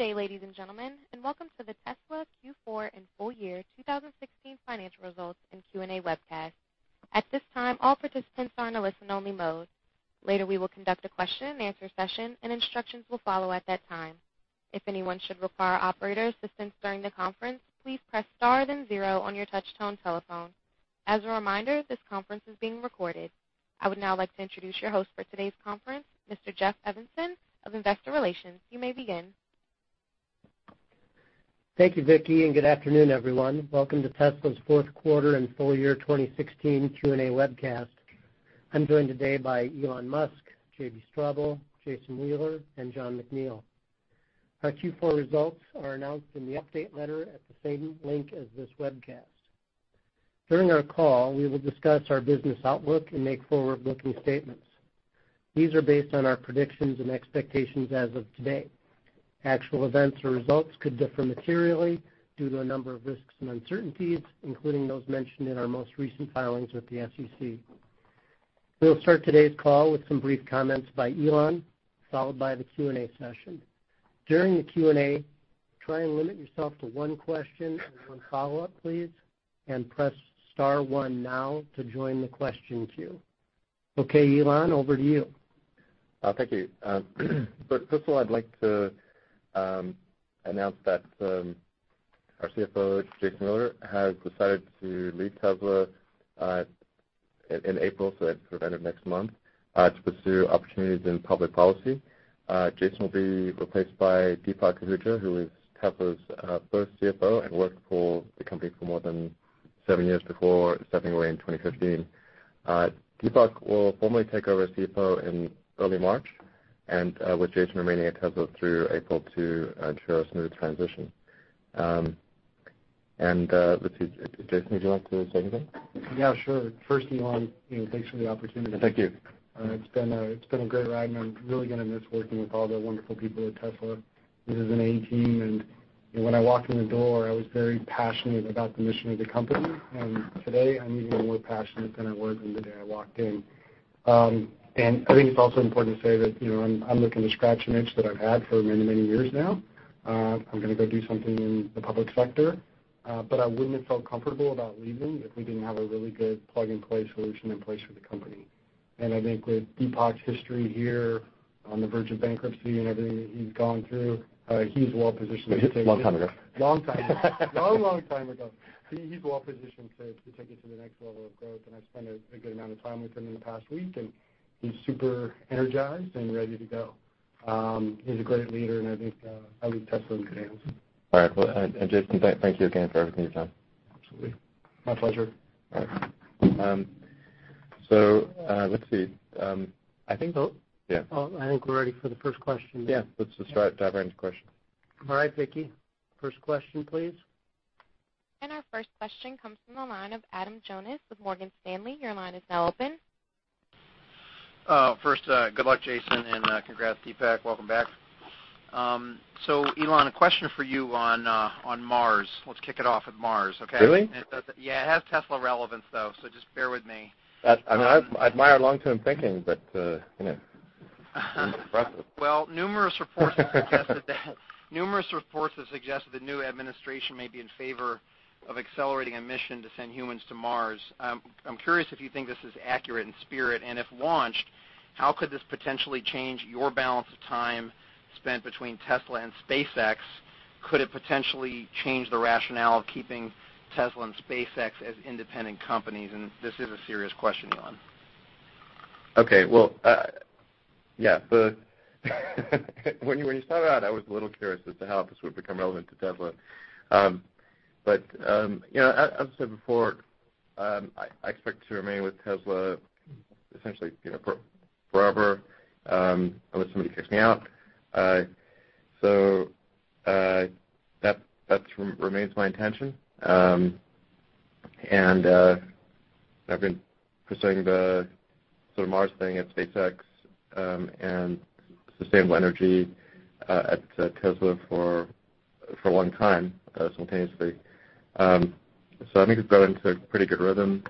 Good day, ladies and gentlemen, and welcome to the Tesla Q4 and full year 2016 financial results and Q&A webcast. At this time, all participants are in a listen-only mode. Later, we will conduct a question-and-answer session, and instructions will follow at that time. If anyone should look for our operators' assistance during the conference, please press star then zero on your touchtone telephone. As a reminder, this conference is being recorded. I would now like to introduce your host for today's conference, Mr. Jeff Evanson of Investor Relations. You may begin. Thank you, Vicky, and good afternoon, everyone. Welcome to Tesla's fourth quarter and full year 2016 Q&A webcast. I'm joined today by Elon Musk, JB Straubel, Jason Wheeler, and Jon McNeill. Our Q4 results are announced in the update letter at the same link as this webcast. During our call, we will discuss our business outlook and make forward-looking statements. These are based on our predictions and expectations as of today. Actual events or results could differ materially due to a number of risks and uncertainties, including those mentioned in our most recent filings with the SEC. We'll start today's call with some brief comments by Elon, followed by the Q&A session. During the Q&A, try and limit yourself to one question and one follow-up, please, and press star one now to join the question queue. Okay, Elon, over to you. Thank you. First of all, I'd like to announce that our CFO, Jason Wheeler, has decided to leave Tesla in April, so that's kind of next month, to pursue opportunities in public policy. Jason will be replaced by Deepak Ahuja, who was Tesla's first CFO and worked for the company for more than seven years before stepping away in 2015. Deepak will formally take over as CFO in early March and with Jason remaining at Tesla through April to ensure a smooth transition. Let's see. Jason, would you like to say anything? Yeah, sure. First, Elon, you know, thanks for the opportunity. Thank you. It's been a great ride, I'm really gonna miss working with all the wonderful people at Tesla. This is an A team, you know, when I walked in the door, I was very passionate about the mission of the company. Today, I'm even more passionate than I was on the day I walked in. I think it's also important to say that, you know, I'm looking to scratch an itch that I've had for many, many years now. I'm gonna go do something in the public sector. I wouldn't have felt comfortable about leaving if we didn't have a really good plug-and-play solution in place for the company. I think with Deepak's history here on the verge of bankruptcy and everything that he's gone through, he's well positioned to take it- Long time ago. Long time ago. Long time ago. He's well positioned to take it to the next level of growth, and I've spent a good amount of time with him in the past week, and he's super energized and ready to go. He's a great leader, and I think Tesla's in good hands. All right. Well, Jason, thank you again for everything you've done. Absolutely. My pleasure. All right. Let's see. Oh. Yeah. Oh, I think we're ready for the first question. Yeah. Let's just start, dive right into questions. All right, Vicky. First question please. Our first question comes from the line of Adam Jonas with Morgan Stanley. First, good luck, Jason, and, congrats, Deepak. Welcome back. Elon, a question for you on Mars. Let's kick it off with Mars, okay? Really? Yeah, it has Tesla relevance, though, so just bear with me. That, I mean, I admire long-term thinking but, you know. Impressive. Well, numerous reports have suggested the new administration may be in favor of accelerating a mission to send humans to Mars. I'm curious if you think this is accurate in spirit, and if launched, how could this potentially change your balance of time spent between Tesla and SpaceX? Could it potentially change the rationale of keeping Tesla and SpaceX as independent companies? This is a serious question, Elon. Okay. Well, yeah. When you started out, I was a little curious as to how this would become relevant to Tesla. You know, as I said before, I expect to remain with Tesla essentially, you know, for forever, unless somebody kicks me out. That remains my intention. I've been pursuing the sort of Mars thing at SpaceX, and sustainable energy at Tesla for a long time, simultaneously. I think it's got into a pretty good rhythm.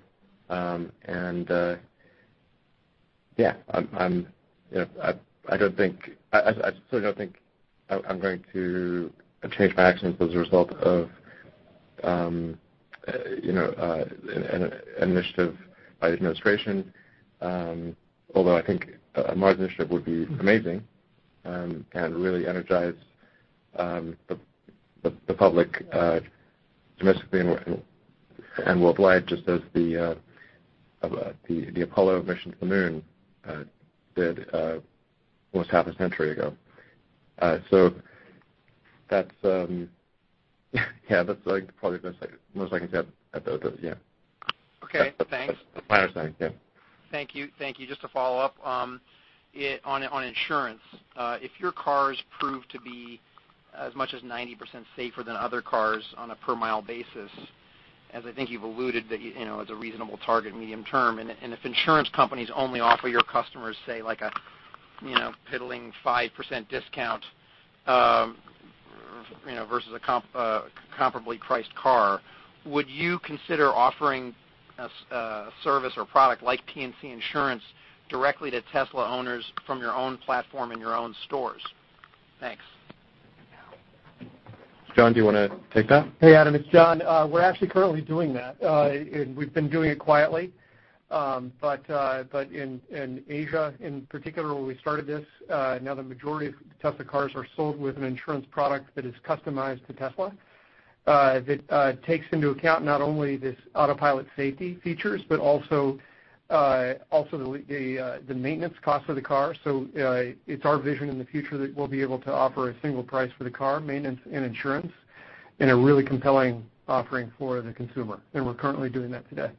Yeah. I'm, you know, I don't think, I sort of don't think I'm going to change my actions as a result of, you know, an initiative by the administration. Although I think a Mars initiative would be amazing, and really energize the public, domestically and worldwide, just as the Apollo mission to the Moon did almost half a century ago. That's, yeah, that's like probably the most I can say. Okay. Thanks. That's my understanding. Yeah. Thank you. Thank you. Just to follow up, on insurance, if your cars prove to be as much as 90% safer than other cars on a per mile basis, as I think you've alluded that, you know, as a reasonable target medium term, and if insurance companies only offer your customers, say, like a, you know, piddling 5% discount, you know, versus a comparably priced car. Would you consider offering a service or product like P&C Insurance directly to Tesla owners from your own platform in your own stores? Thanks. Jon, do you wanna take that? Hey, Adam, it's Jon. We're actually currently doing that. And we've been doing it quietly. But in Asia in particular when we started this, now the majority of Tesla cars are sold with an insurance product that is customized to Tesla, that takes into account not only this Autopilot safety features, but also the maintenance cost for the car. It's our vision in the future that we'll be able to offer a single price for the car maintenance and insurance in a really compelling offering for the consumer. We're currently doing that today.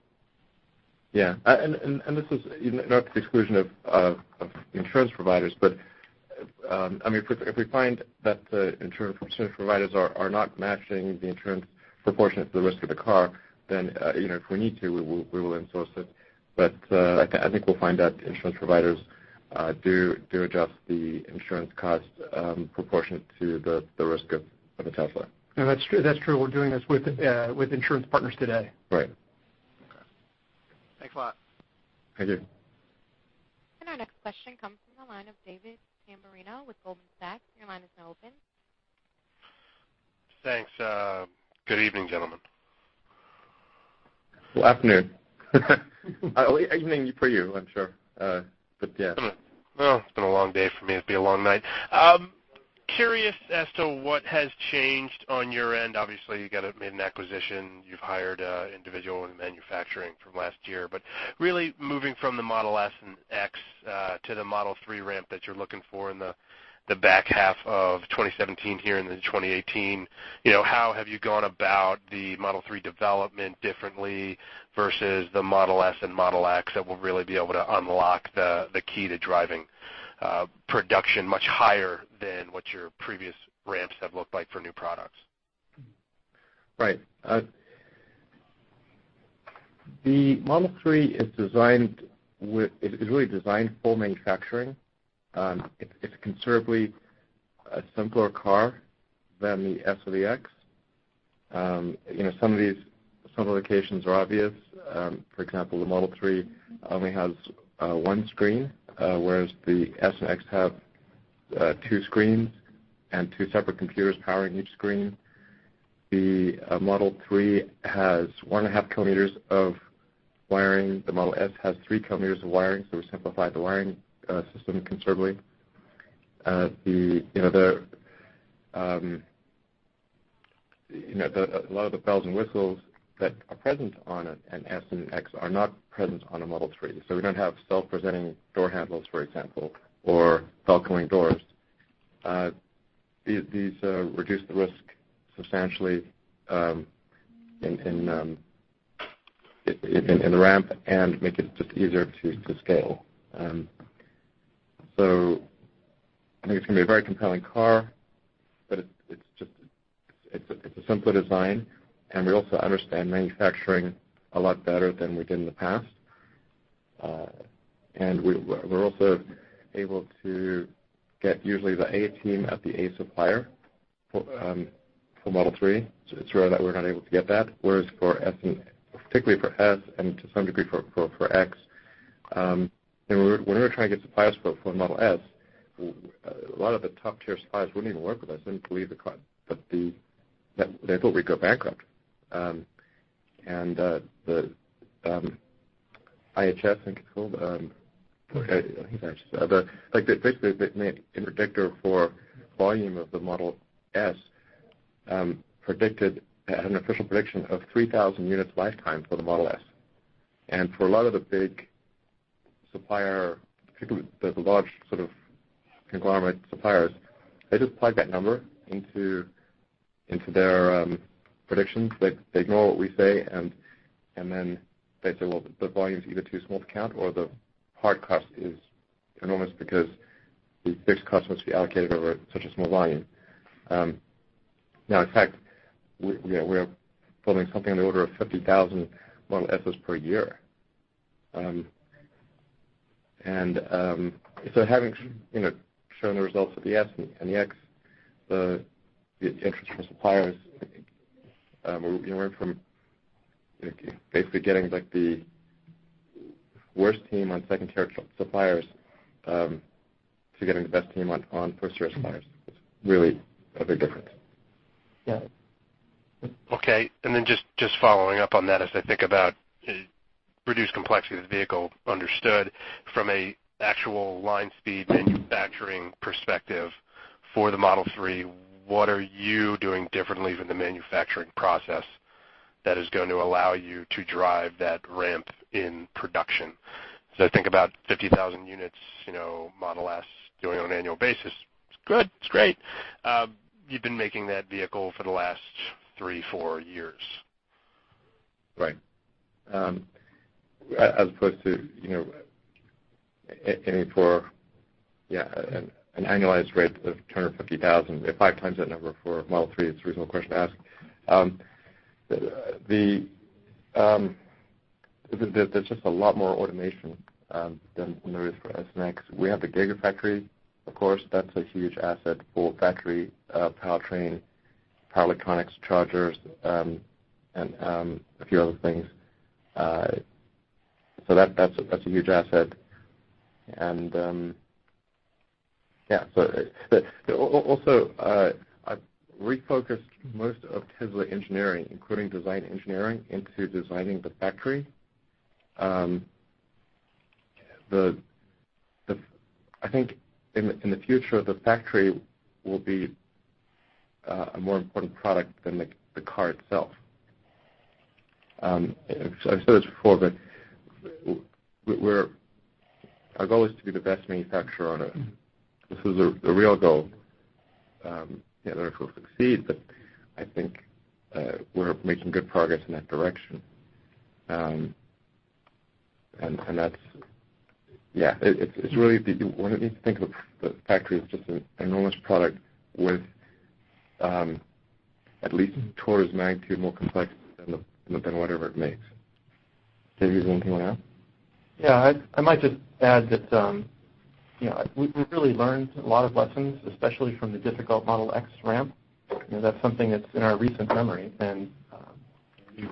This is not to the exclusion of insurance providers, but, I mean, if we, if we find that the insurance providers are not matching the insurance proportionate to the risk of the car, then, you know, if we need to, we will in-source it. I think we'll find that insurance providers do adjust the insurance cost, proportionate to the risk of a Tesla. No, that's true. That's true. We're doing this with insurance partners today. Right. Okay. Thanks a lot. Thank you. Our next question comes from the line of David Tamberrino with Goldman Sachs. Your line is now open. Thanks. Good evening, gentlemen. Well, afternoon. evening for you, I'm sure. yeah. Well, it's been a long day for me. It'll be a long night. Curious as to what has changed on your end. Obviously, you made an acquisition. You've hired a individual in manufacturing from last year. Really moving from the Model S and X to the Model 3 ramp that you're looking for in the back half of 2017 here into 2018, you know, how have you gone about the Model 3 development differently versus the Model S and Model X that will really be able to unlock the key to driving production much higher than what your previous ramps have looked like for new products? Right. The Model 3 is really designed for manufacturing. It's considerably a simpler car than the S or the X. You know, some of these simplifications are obvious. For example, the Model 3 only has one screen, whereas the S and X have two screens and two separate computers powering each screen. The Model 3 has 1.5 km of wiring. The Model S has 3 km of wiring. We simplified the wiring system considerably. You know, a lot of the bells and whistles that are present on an S and an X are not present on a Model 3. We don't have self-presenting door handles, for example, or Falcon Wing doors. These reduce the risk substantially in the ramp and make it just easier to scale. I think it's gonna be a very compelling car, but it's just a simpler design, and we also understand manufacturing a lot better than we did in the past. We're also able to get usually the A team at the A supplier for Model 3. It's rare that we're not able to get that, whereas for S particularly for S and to some degree for X, you know, when we were trying to get suppliers for Model S, a lot of the top-tier suppliers wouldn't even work with us, wouldn't believe the car, but they thought we'd go bankrupt. The IHS, I think it's called, they basically, they made a predictor for volume of the Model S, predicted, had an official prediction of 3,000 units lifetime for the Model S. For a lot of the big supplier, particularly the large sort of conglomerate suppliers, they just plug that number into their predictions. They ignore what we say and then they say, "Well, the volume's either too small to count or the hard cost is enormous because the fixed cost must be allocated over such a small volume." Now in fact, we, you know, we're building something in the order of 50,000 Model S's per year. Having, you know, shown the results of the Model S and the Model X, the interest from suppliers, you know, went from, like, basically getting like the worst team on second-tier suppliers, to getting the best team on first-tier suppliers. It is really a big difference. Yeah. Okay, just following up on that, as I think about reduced complexity of the vehicle, understood. From a actual line speed manufacturing perspective for the Model 3, what are you doing differently from the manufacturing process that is going to allow you to drive that ramp in production? I think about 50,000 units, you know, Model S doing on an annual basis. It's good. It's great. You've been making that vehicle for the last 3-4 years. Right. As opposed to aiming for an annualized rate of 250,000. At 5x that number for Model 3, it's a reasonable question to ask. There's just a lot more automation than there is for S and X. We have the Gigafactory, of course, that's a huge asset for factory, powertrain, power electronics, chargers, and a few other things. That's a huge asset. I've refocused most of Tesla engineering, including design engineering, into designing the factory. I think in the future, the factory will be a more important product than the car itself. I've said this before, our goal is to be the best manufacturer on Earth. This is the real goal. Don't know if we'll succeed, but I think we're making good progress in that direction. Yeah. One needs to think of the factory as just an enormous product with at least an order of magnitude more complexity than whatever it makes. JB, you have anything to add? Yeah, I might just add that, you know, we really learned a lot of lessons, especially from the difficult Model X ramp. You know, that's something that's in our recent memory and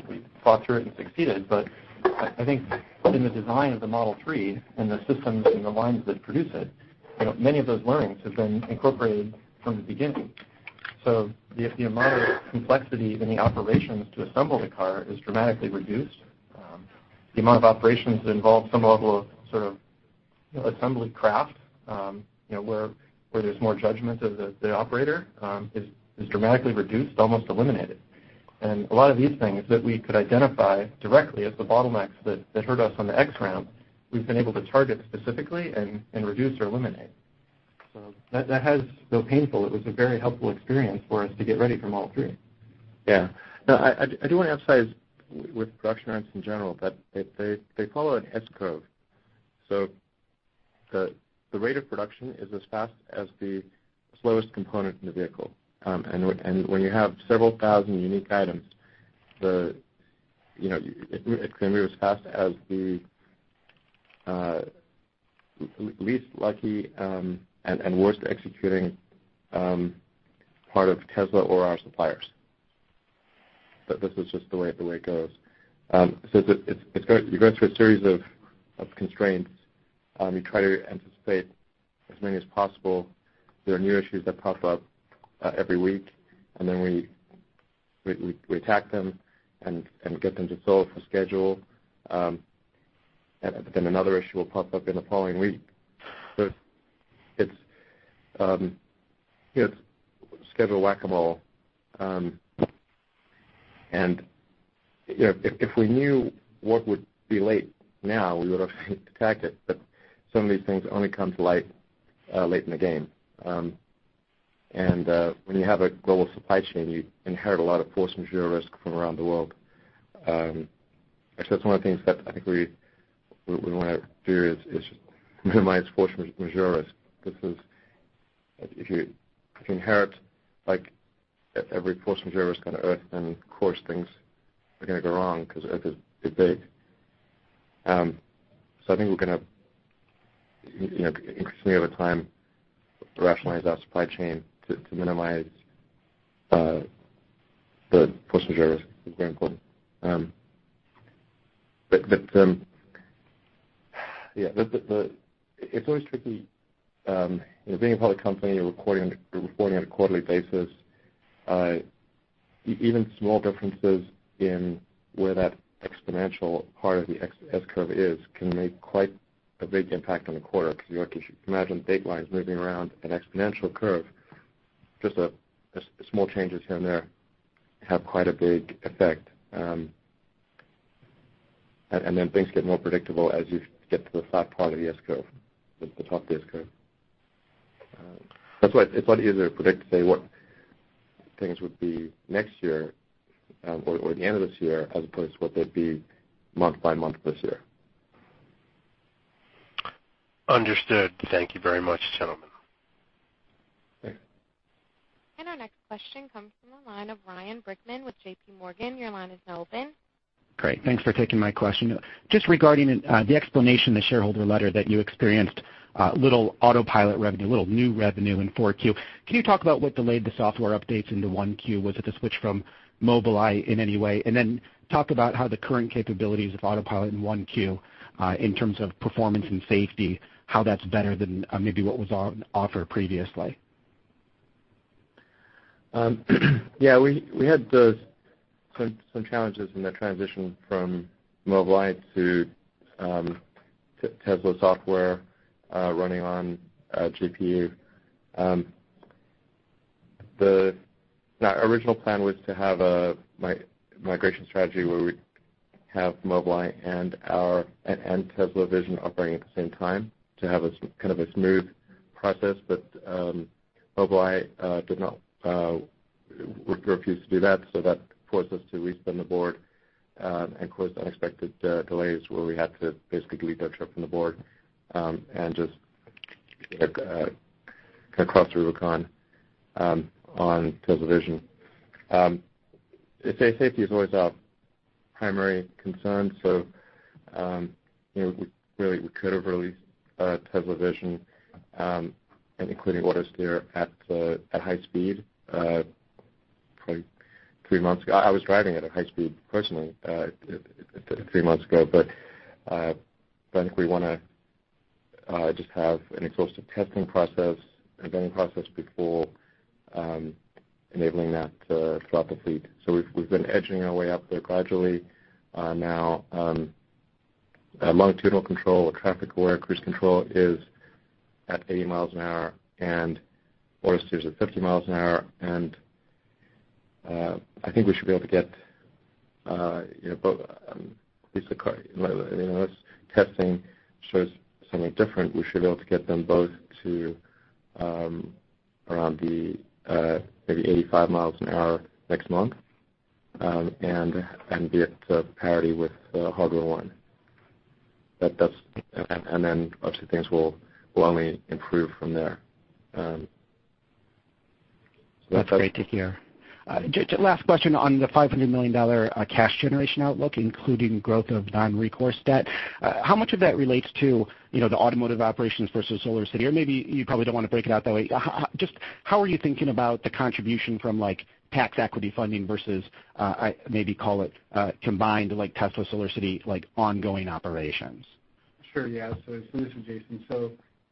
we fought through it and succeeded. I think in the design of the Model 3 and the systems and the lines that produce it, you know, many of those learnings have been incorporated from the beginning. The amount of complexity in the operations to assemble the car is dramatically reduced. The amount of operations that involve some level of sort of assembly craft, you know, where there's more judgment of the operator, is dramatically reduced, almost eliminated. A lot of these things that we could identify directly as the bottlenecks that hurt us on the Model X ramp, we've been able to target specifically and reduce or eliminate. That has, though painful, it was a very helpful experience for us to get ready for Model 3. I do wanna emphasize with production ramps in general that they follow an S-curve. The rate of production is as fast as the slowest component in the vehicle. When you have several thousand unique items, you know, it can only be as fast as the least lucky and worst executing part of Tesla or our suppliers. This is just the way it goes. You're going through a series of constraints. You try to anticipate as many as possible. There are new issues that pop up every week, and we attack them and get them to solve the schedule. Another issue will pop up in the following week. It's schedule Whac-A-Mole. You know, if we knew what would be late now, we would have attacked it. Some of these things only come to light late in the game. When you have a global supply chain, you inherit a lot of force majeure risk from around the world. Actually, that's one of the things that I think we wanna do is minimize force majeure risk. Because if you inherit, like, every force majeure risk on Earth, then of course things are gonna go wrong because Earth is big. I think we're gonna, you know, increasingly over time, rationalize our supply chain to minimize the force majeure risk. It's very important. Yeah, It's always tricky being a public company, you're reporting on a quarterly basis. Even small differences in where that exponential part of the S-curve is can make quite a big impact on the quarter 'cause If you imagine date lines moving around an exponential curve, just small changes here and there have quite a big effect. Then things get more predictable as you get to the flat part of the S-curve, the top of the S-curve. That's why it's a lot easier to predict, say, what things would be next year, or the end of this year, as opposed to what they'd be month by month this year. Understood. Thank you very much, gentlemen. Great. Our next question comes from the line of Ryan Brinkman with JPMorgan. Your line is now open. Great. Thanks for taking my question. Just regarding the explanation in the shareholder letter that you experienced little Autopilot revenue, little new revenue in 4Q. Can you talk about what delayed the software updates into 1Q? Was it the switch from Mobileye in any way? Then talk about how the current capabilities of Autopilot in 1Q in terms of performance and safety, how that's better than maybe what was on offer previously. Yeah, we had some challenges in the transition from Mobileye to Tesla software running on a GPU. Our original plan was to have a migration strategy where we have Mobileye and Tesla Vision operating at the same time to have a kind of a smooth process. Mobileye refused to do that, so that forced us to respin the board and caused unexpected delays where we had to basically rip their chip from the board and like kind of cross the Rubicon on Tesla Vision. Safety is always our primary concern, so, you know, we could have released Tesla Vision, including Autosteer at high speed, probably three months ago. I was driving it at high speed personally, three months ago. I think we wanna just have an exhaustive testing process and vetting process before enabling that throughout the fleet. We've been edging our way up there gradually. Now, longitudinal control or Traffic-Aware Cruise Control is at 80 mi an hour, and Autosteer's at 50 mi an hour. I think we should be able to get, you know, both, at least the car, you know, unless testing shows something different, we should be able to get them both to around the maybe 85 mi an hour next month, and be at parity with Hardware 1. Obviously things will only improve from there. That's great to hear. Just last question on the $500 million cash generation outlook, including growth of non-recourse debt. How much of that relates to, you know, the automotive operations versus SolarCity? Maybe you probably don't want to break it out that way. How are you thinking about the contribution from, like, tax equity funding versus, I, maybe call it, combined, like, Tesla, SolarCity, like, ongoing operations? Sure, yeah. This is Jason.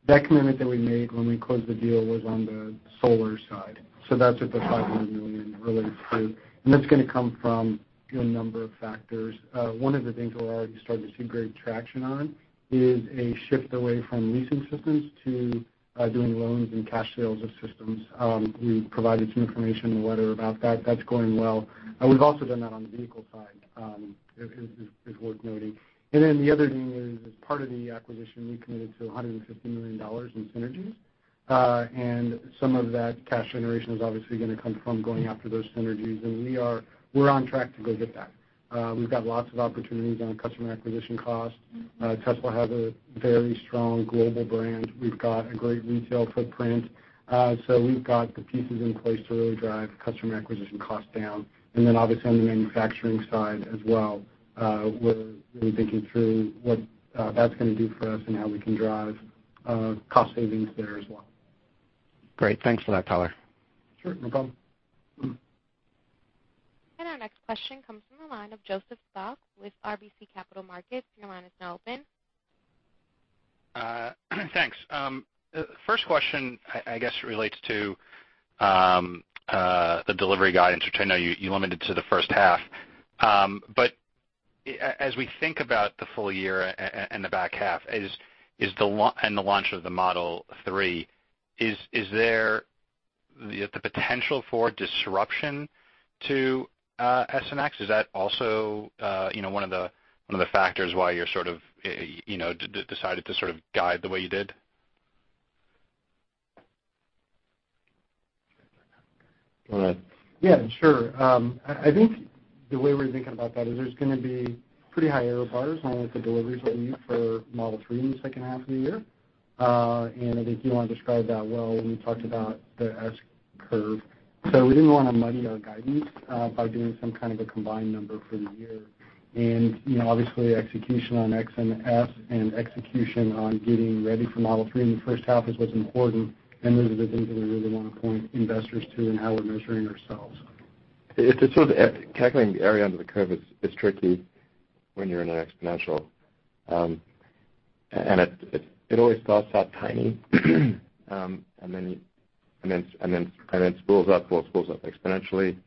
That commitment that we made when we closed the deal was on the solar side. That's what the $500 million relates to, and that's gonna come from, you know, a number of factors. One of the things we're already starting to see great traction on is a shift away from leasing systems to doing loans and cash sales of systems. We provided some information in the letter about that. That's going well. We've also done that on the vehicle side, is worth noting. The other thing is, as part of the acquisition, we committed to $150 million in synergies. Some of that cash generation is obviously gonna come from going after those synergies. We're on track to go get that. We've got lots of opportunities on customer acquisition costs. Tesla has a very strong global brand. We've got a great retail footprint. We've got the pieces in place to really drive customer acquisition costs down. Obviously on the manufacturing side as well, we're really thinking through what that's gonna do for us and how we can drive cost savings there as well. Great. Thanks for that color. Sure, no problem. Our next question comes from the line of Joseph Spak with RBC Capital Markets. Your line is now open. Thanks. First question I guess relates to the delivery guidance, which I know you limited to the first half. As we think about the full year and the back half, is the launch of the Model 3, is there the potential for disruption to S and X? Is that also, you know, one of the factors why you're sort of, you know, decided to sort of guide the way you did? Go ahead. Yeah, sure. I think the way we're thinking about that is there's gonna be pretty high error bars on the deliveries that we need for Model 3 in the second half of the year. And I think you wanna describe that well when you talked about the S-curve. We didn't wanna muddy our guidance by doing some kind of a combined number for the year. And, you know, obviously execution on X and the S and execution on getting ready for Model 3 in the first half is what's important. And those are the things that we really wanna point investors to and how we're measuring ourselves. It's just calculating the area under the curve is tricky when you're in an exponential. It always starts out tiny, and then spools up. Well, it spools up exponentially.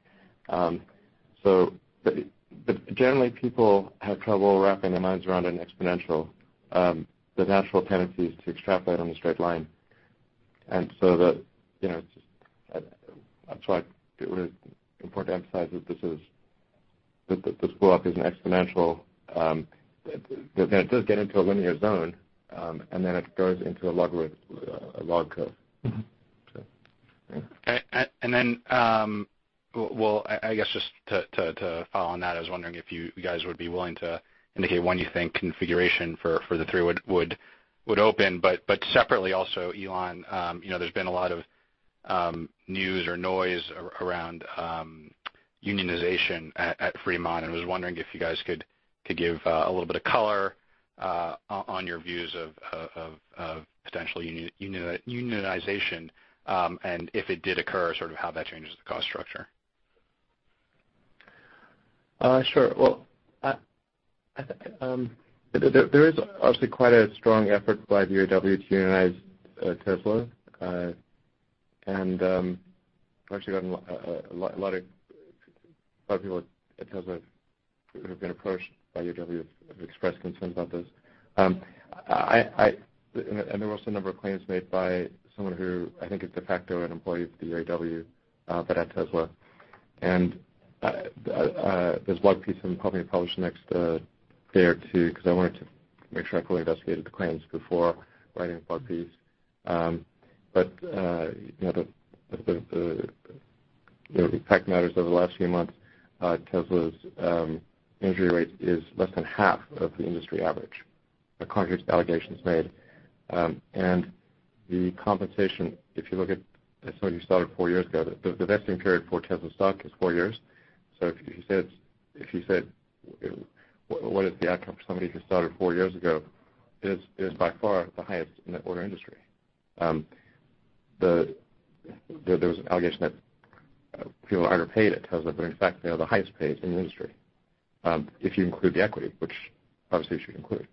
Generally people have trouble wrapping their minds around an exponential. The natural tendency is to extrapolate on a straight line. The, you know, it's just that's why it was important to emphasize that this spool up is an exponential. It does get into a linear zone, and then it goes into a logarithm, a log curve. Yeah. Okay. Then, I guess just to follow on that, I was wondering if you guys would be willing to indicate when you think configuration for the Model 3 would open. Separately also, Elon, you know, there's been a lot of news or noise around unionization at Fremont. I was wondering if you guys could give a little bit of color on your views of potential unionization, and if it did occur, sort of how that changes the cost structure. Sure. Well, there is obviously quite a strong effort by the UAW to unionize Tesla. Actually got a lot of people at Tesla who have been approached by UAW have expressed concerns about this. There were also a number of claims made by someone who I think is de facto an employee of the UAW, but at Tesla. There's a blog piece I'm hoping to publish next day or two because I wanted to make sure I fully investigated the claims before writing a blog piece. You know, the fact matters over the last few months, Tesla's injury rate is less than half of the industry average, the contrary to allegations made. The compensation, if you look at somebody who started four years ago, the vesting period for Tesla stock is four years. If you said, what is the outcome for somebody who started four years ago, is by far the highest in the auto industry. There was an allegation that people are underpaid at Tesla, but in fact they are the highest paid in the industry, if you include the equity, which obviously you should include.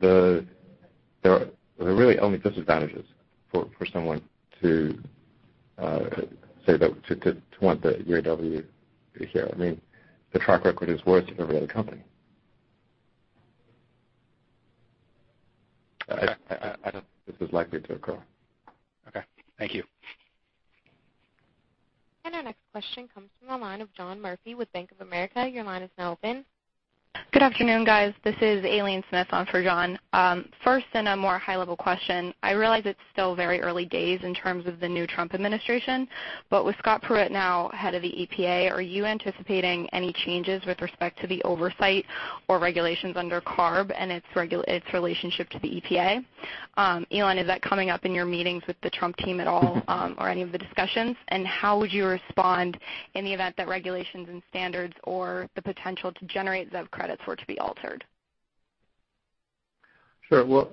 There are really only disadvantages for someone to say that to want the UAW here. I mean, the track record is worse than every other company. I don't think this is likely to occur. Okay. Thank you. Our next question comes from the line of John Murphy with Bank of America. Good afternoon, guys. This is Aileen Smith on for John. First, in a more high-level question, I realize it's still very early days in terms of the new Trump administration, but with Scott Pruitt now head of the EPA, are you anticipating any changes with respect to the oversight or regulations under CARB and its relationship to the EPA? Elon, is that coming up in your meetings with the Trump team at all, or any of the discussions? How would you respond in the event that regulations and standards or the potential to generate ZEV credits were to be altered? Sure. Well,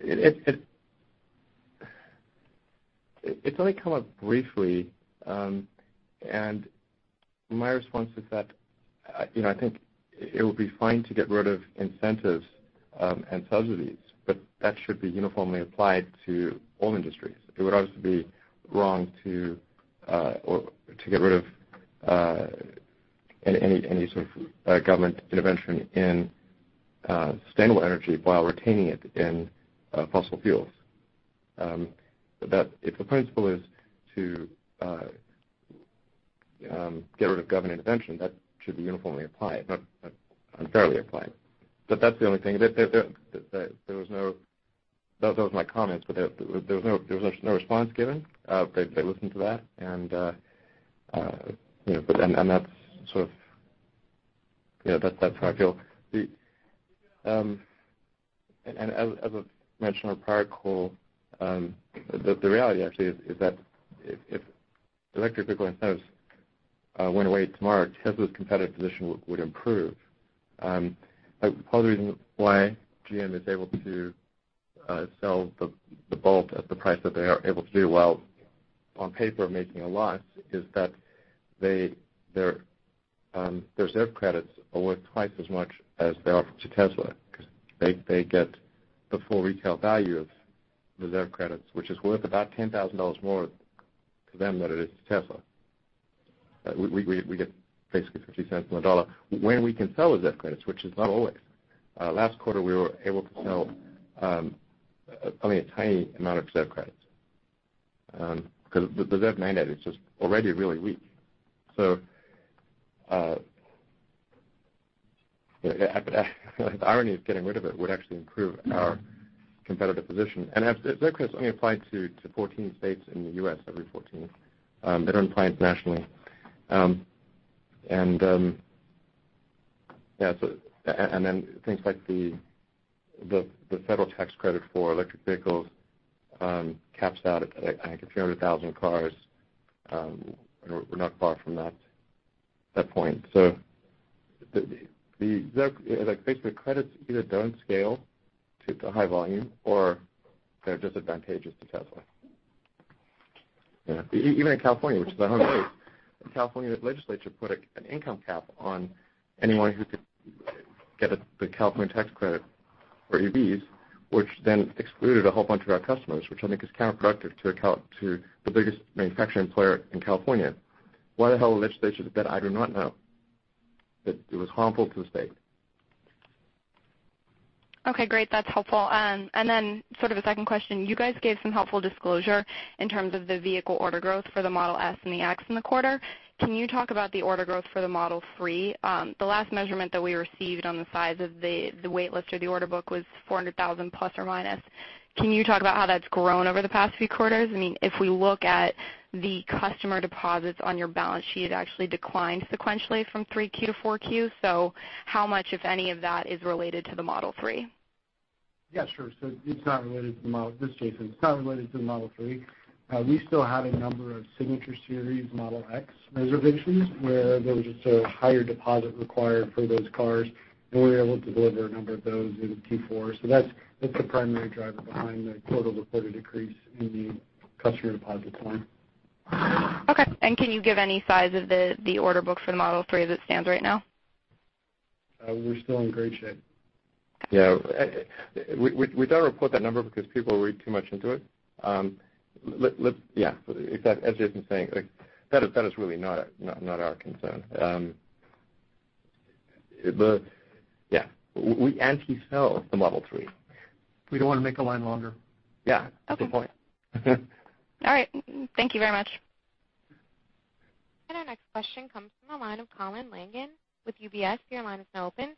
it's only come up briefly. My response is that, you know, I think it would be fine to get rid of incentives and subsidies, but that should be uniformly applied to all industries. It would also be wrong to get rid of any sort of government intervention in sustainable energy while retaining it in fossil fuels. That if the principle is to get rid of government intervention, that should be uniformly applied, but unfairly applied. That's the only thing. Those were my comments, but there was no response given. They listened to that and, you know, and that's sort of, you know, that's how I feel. As I've mentioned on a prior call, the reality actually is that if electric vehicle incentives went away tomorrow, Tesla's competitive position would improve. Part of the reason why GM is able to sell the Volt at the price that they are able to do while on paper making a loss is that their ZEV credits are worth twice as much as they are to Tesla, 'cause they get the full retail value of the ZEV credits, which is worth about $10,000 more to them than it is to Tesla. We get basically $0.50 on the dollar when we can sell the ZEV credits, which is not always. Last quarter, we were able to sell only a tiny amount of ZEV credits, 'cause the ZEV mandate is just already really weak. Yeah, the irony of getting rid of it would actually improve our competitive position. ZEV credits only apply to 14 states in the U.S., only 14. They don't apply it nationally. Yeah, then things like the federal tax credit for electric vehicles caps out at, I think 200,000 cars. We're not far from that point. Like, basically credits either don't scale to the high volume or they're disadvantageous to Tesla. Yeah. Even in California, which is our home base, the California legislature put an income cap on anyone who could get a, the California tax credit for EVs, which then excluded a whole bunch of our customers, which I think is counterproductive to the biggest manufacturer and player in California. Why the hell the legislature did that, I do not know. It was harmful to the state. Okay, great. That's helpful. Then sort of a second question. You guys gave some helpful disclosure in terms of the vehicle order growth for the Model S and the X in the quarter. Can you talk about the order growth for the Model 3? The last measurement that we received on the size of the wait list or the order book was 400,000±. Can you talk about how that's grown over the past few quarters? I mean, if we look at the customer deposits on your balance sheet, it actually declined sequentially from 3Q to 4Q. How much, if any of that, is related to the Model 3? Yeah, sure. This is Jason. It's not related to the Model 3. We still have a number of Signature Series Model X reservations where there was just a higher deposit required for those cars, and we were able to deliver a number of those in Q4. That's the primary driver behind the total reported decrease in the customer deposit decline. Okay. Can you give any size of the order book for the Model 3 as it stands right now? We're still in great shape. Yeah. We don't report that number because people read too much into it. Yeah, exactly. As Jason saying, like, that is really not our concern. Yeah. We anti-sell the Model 3. We don't wanna make a line longer. Yeah. Okay. Good point. All right. Thank you very much. Our next question comes from the line of Colin Langan with UBS. Your line is now open.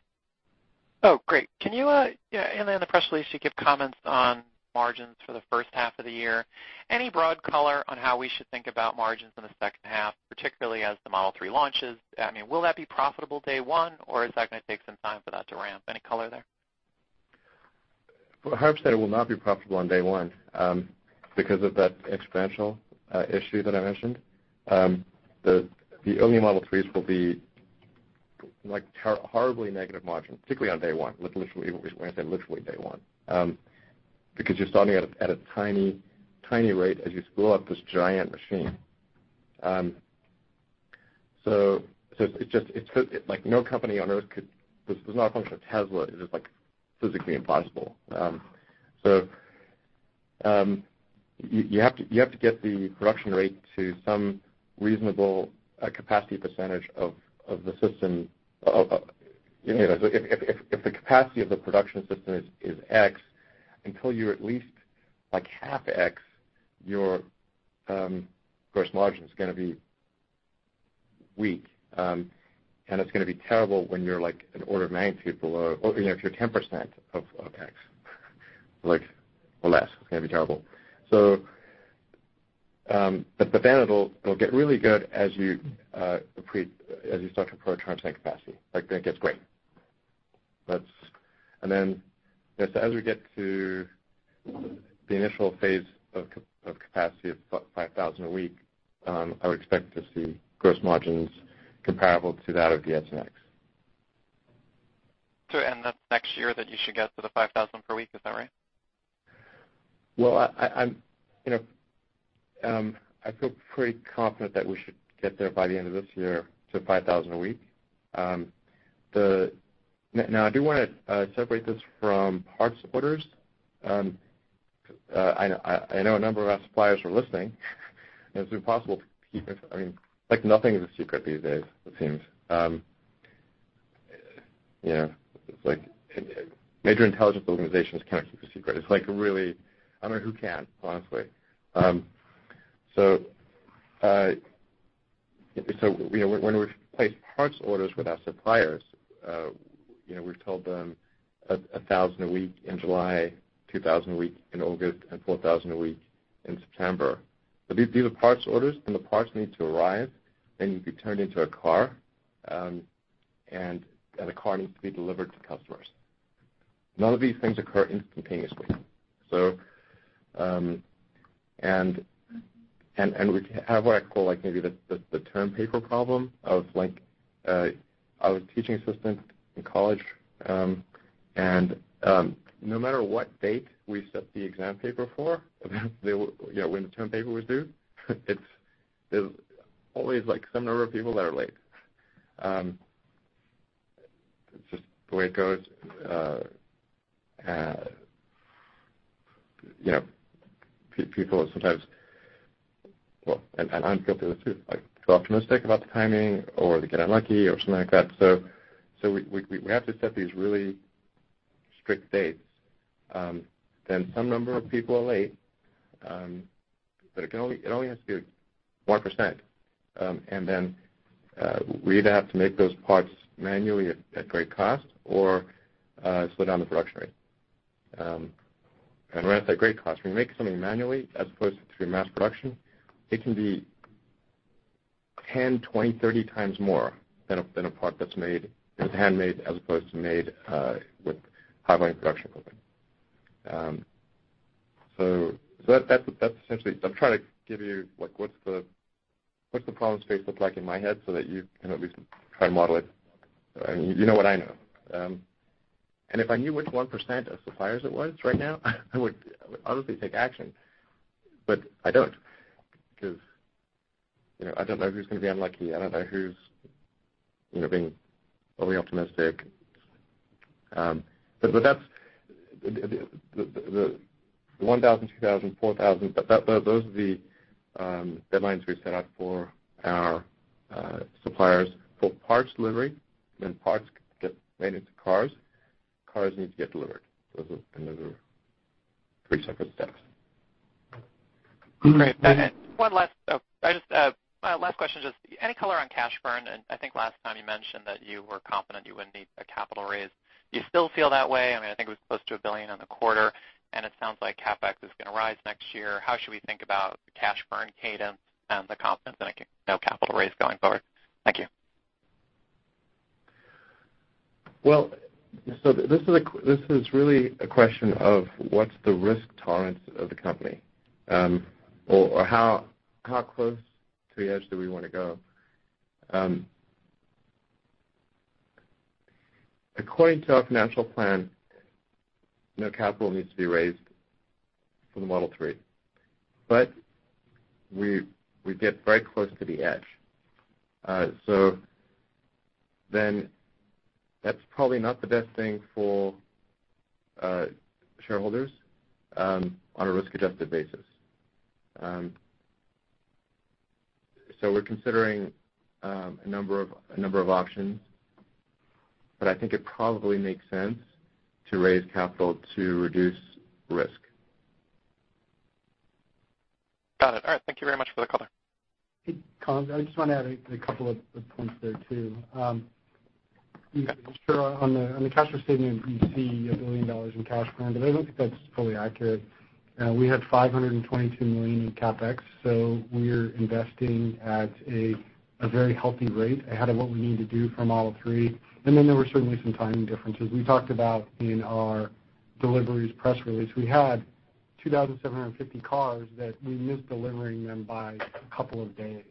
Oh, great. Can you, in the press release, you give comments on margins for the first half of the year. Any broad color on how we should think about margins in the second half, particularly as the Model 3 launches? I mean, will that be profitable day one, or is that gonna take some time for that to ramp? Any color there? For halves, that it will not be profitable on day one, because of that exponential issue that I mentioned. The early Model 3s will be like terribly negative margin, particularly on day one. Literally, when I say literally day one. Because you're starting at a tiny rate as you spool up this giant machine. Like no company on Earth could This is not a function of Tesla, it is, like, physically impossible. You have to get the production rate to some reasonable capacity percentage of the system. Of, you know, if the capacity of the production system is X, until you're at least like half X, your gross margin's gonna be weak. It's gonna be terrible when you're like an order of magnitude below, or, you know, if you're 10% of X like or less, it's gonna be terrible. Then it'll get really good as you start to approach capacity. Then it gets great. Then as we get to the initial phase of capacity of 5,000 a week, I would expect to see gross margins comparable to that of the S and X. That's next year that you should get to the 5,000 per week, is that right? Well, I'm, you know, I feel pretty confident that we should get there by the end of this year to 5,000 a week. Now I do wanna separate this from parts orders. I know a number of our suppliers are listening. It's impossible to keep it I mean, like nothing is a secret these days it seems. You know, it's like major intelligence organizations can't keep a secret. It's like really I don't know who can, honestly. You know, when we place parts orders with our suppliers, you know, we've told them 1,000 a week in July, 2,000 a week in August, and 4,000 a week in September. These are parts orders, and the parts need to arrive, then need to be turned into a car. The car needs to be delivered to customers. None of these things occur instantaneously. We have what I call like maybe the term paper problem of like, I was a teaching assistant in college, and no matter what date we set the exam paper for, about you know, when the term paper was due, it's, there's always like some number of people that are late. It's just the way it goes. You know, people are sometimes, well, and I'm guilty of this too, like too optimistic about the timing or they get unlucky or something like that. We have to set these really strict dates, then some number of people are late, but it only has to be 1%, and then we'd have to make those parts manually at great cost or slow down the production rate. When I say great cost, when you make something manually as opposed to through mass production, it can be 10x, 20x, 30x more than a part that's made that's handmade as opposed to made with high volume production. That's essentially I'm trying to give you like what's the, what's the problem space look like in my head so that you can at least try to model it. I mean, you know what I know. If I knew which 1% of suppliers it was right now, I would obviously take action. I don't, because, you know, I don't know who's gonna be unlucky. I don't know who's, you know, being overly optimistic. But that's the 1,000, 2,000, 4,000, those are the deadlines we set out for our suppliers for parts delivery, then parts get made into cars need to get delivered. Those are three separate steps. Great. My last question is just any color on cash burn? I think last time you mentioned that you were confident you wouldn't need a capital raise. Do you still feel that way? I mean, I think it was close to $1 billion in the quarter, and it sounds like CapEx is gonna rise next year. How should we think about the cash burn cadence and the confidence in no capital raise going forward? Thank you. This is really a question of what's the risk tolerance of the company, or how close to the edge do we wanna go? According to our financial plan, no capital needs to be raised for the Model 3. We get very close to the edge. That's probably not the best thing for shareholders, on a risk-adjusted basis. We're considering a number of options, but I think it probably makes sense to raise capital to reduce risk. Got it. All right, thank you very much for the color. Hey, Colin, I just want to add a couple of points there, too. Sure, on the cash statement, you see $1 billion in cash burn, but I don't think that's fully accurate. We had $522 million in CapEx, so we're investing at a very healthy rate ahead of what we need to do for Model 3 and then there were certainly some timing differences. We talked about in our deliveries press release, we had 2,750 cars that we missed delivering them by a couple of days.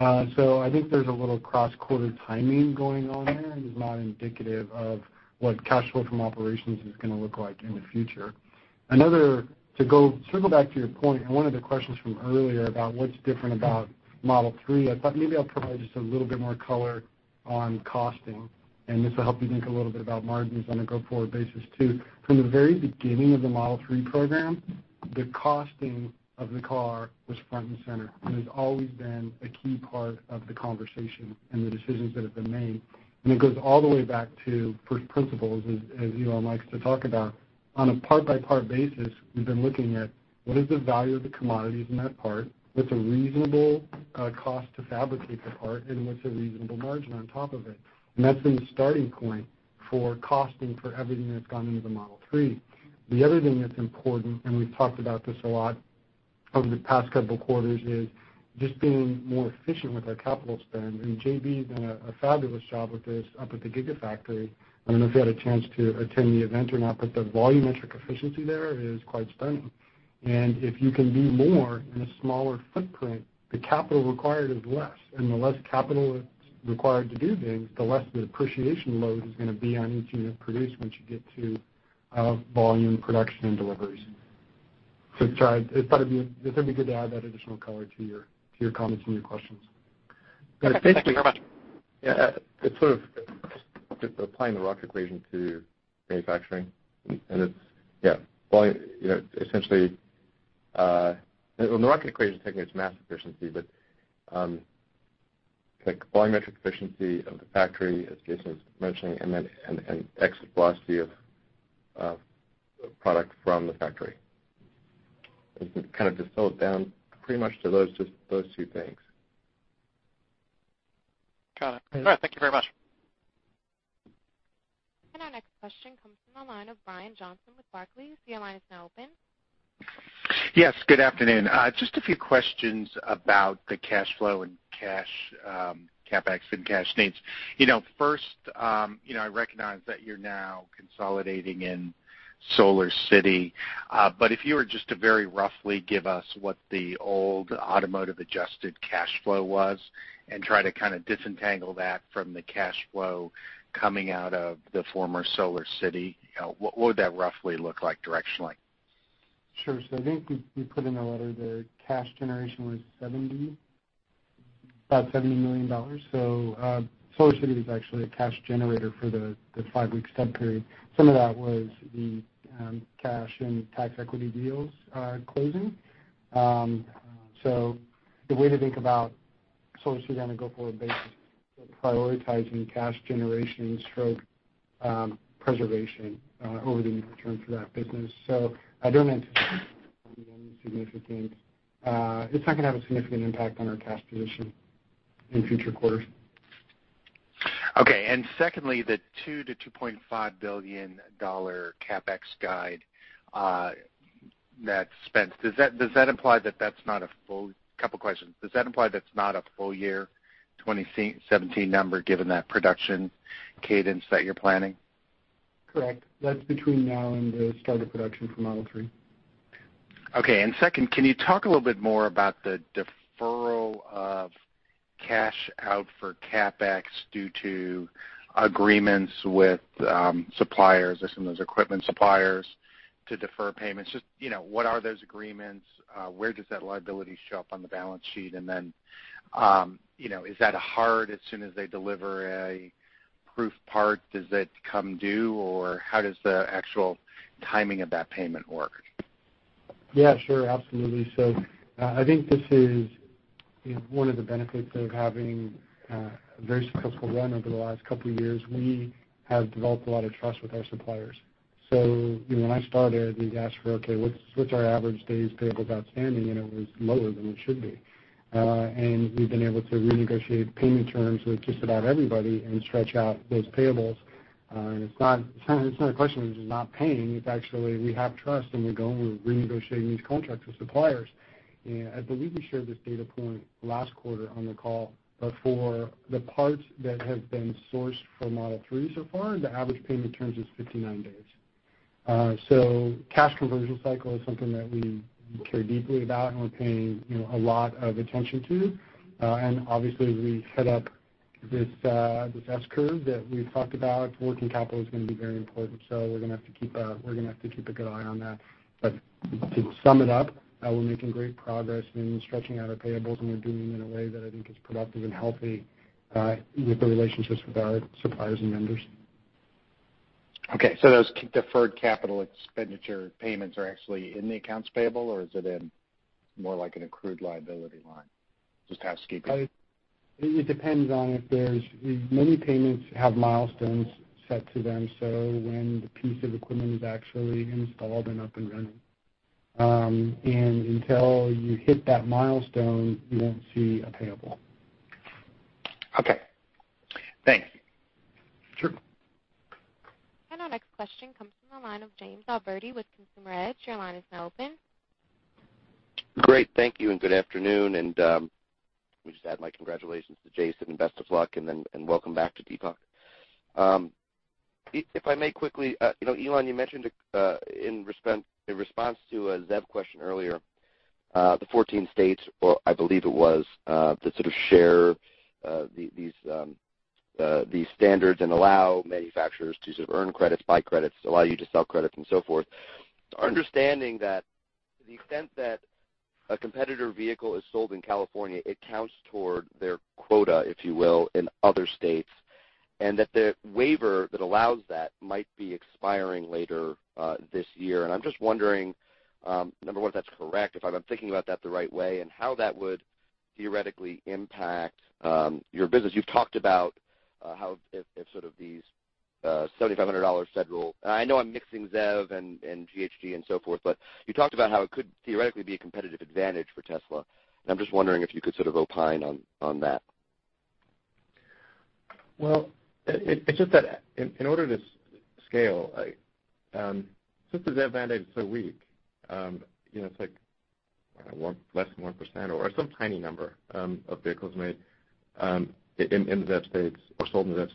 I think there's a little cross-quarter timing going on there, and it's not indicative of what cash flow from operations is gonna look like in the future. To circle back to your point and one of the questions from earlier about what's different about Model 3, I thought maybe I'll provide just a little bit more color on costing. This will help you think a little bit about margins on a go-forward basis, too. From the very beginning of the Model 3 program, the costing of the car was front and center and has always been a key part of the conversation and the decisions that have been made. It goes all the way back to first principles as Elon likes to talk about. On a part-by-part basis, we've been looking at what is the value of the commodities in that part, what's a reasonable cost to fabricate the part, and what's a reasonable margin on top of it. That's been the starting point for costing for everything that's gone into the Model 3. The other thing that's important, and we've talked about this a lot over the past couple of quarters, is just being more efficient with our capital spend. JB's done a fabulous job with this up at the Gigafactory. I don't know if you had a chance to attend the event or not, but the volumetric efficiency there is quite stunning. If you can do more in a smaller footprint, the capital required is less, and the less capital that's required to do things, the less the depreciation load is gonna be on each unit produced once you get to volume production and deliveries. Sorry, I just thought it'd be good to add that additional color to your comments and your questions. Thank you very much. It's sort of just applying the rocket equation to manufacturing. You know, essentially, well, the rocket equation is taking its mass efficiency, but, like volumetric efficiency of the factory, as Jason was mentioning, and exit velocity of product from the factory. It kind of distilled down pretty much to just those two things. Got it. All right, thank you very much. Our next question comes from the line of Brian Johnson with Barclays. The line is now open. Yes, good afternoon. Just a few questions about the cash flow and cash CapEx and cash needs. You know, first, you know, I recognize that you're now consolidating in SolarCity, but if you were just to very roughly give us what the old automotive adjusted cash flow was and try to kinda disentangle that from the cash flow coming out of the former SolarCity, you know, what would that roughly look like directionally? Sure. I think we put in our letter the cash generation was about $70 million. SolarCity was actually a cash generator for the five-week stub period. Some of that was the cash and tax equity deals closing. The way to think about SolarCity on a go-forward basis is prioritizing cash generation/preservation over the near term for that business. I don't anticipate any significant impact on our cash position in future quarters. Okay. Secondly, the $2 billion-$2.5 billion CapEx guide, net spend. Couple questions. Does that imply that's not a full year 2017 number given that production cadence that you're planning? Correct. That's between now and the start of production for Model 3. Okay. Second, can you talk a little bit more about the deferral of cash out for CapEx due to agreements with suppliers or some of those equipment suppliers to defer payments? Just, you know, what are those agreements? Where does that liability show up on the balance sheet? Then, you know, is that hard as soon as they deliver a proof part, does it come due? How does the actual timing of that payment work? Yeah, sure. Absolutely. I think this is, you know, one of the benefits of having a very successful run over the last couple of years. We have developed a lot of trust with our suppliers. You know, when I started, we asked for, okay, what's our average days payables outstanding, and it was lower than it should be. We've been able to renegotiate payment terms with just about everybody and stretch out those payables. It's not a question of just not paying. It's actually we have trust, and we're renegotiating these contracts with suppliers. I believe we shared this data point last quarter on the call, but for the parts that have been sourced for Model 3 so far, the average payment terms is 59 days. Cash conversion cycle is something that we care deeply about and we're paying, you know, a lot of attention to. Obviously as we head up this S-curve that we've talked about, working capital is gonna be very important. We're gonna have to keep a good eye on that. To sum it up, we're making great progress in stretching out our payables, and we're doing it in a way that I think is productive and healthy, with the relationships with our suppliers and vendors. Okay, those deferred capital expenditure payments are actually in the accounts payable or is it in more like an accrued liability line? Just asking. It depends on if many payments have milestones set to them, so when the piece of equipment is actually installed and up and running. Until you hit that milestone, you won't see a payable. Okay. Thanks. Sure. Our next question comes from the line of Jamie Albertine with Consumer Edge. Your line is now open. Great, thank you, good afternoon. Let me just add my congratulations to Jason, and best of luck and welcome back to Deepak. If, if I may quickly, you know Elon, you mentioned in response to a ZEV question earlier, the 14 states, or I believe it was, that sort of share the these standards and allow manufacturers to sort of earn credits, buy credits, allow you to sell credits and so forth. Understanding that to the extent that a competitor vehicle is sold in California, it counts toward their quota, if you will, in other states, and that the waiver that allows that might be expiring later this year. I'm just wondering, number one, if that's correct, if I'm thinking about that the right way, and how that would theoretically impact your business. You've talked about how if sort of these $7,500 federal I know I'm mixing ZEV and GHG and so forth, but you talked about how it could theoretically be a competitive advantage for Tesla. I'm just wondering if you could sort of opine on that. Well, it's just that in order to scale, like, since the ZEV mandate is so weak, you know, it's like less than 1% or some tiny number of vehicles made in the ZEV states or sold in the ZEV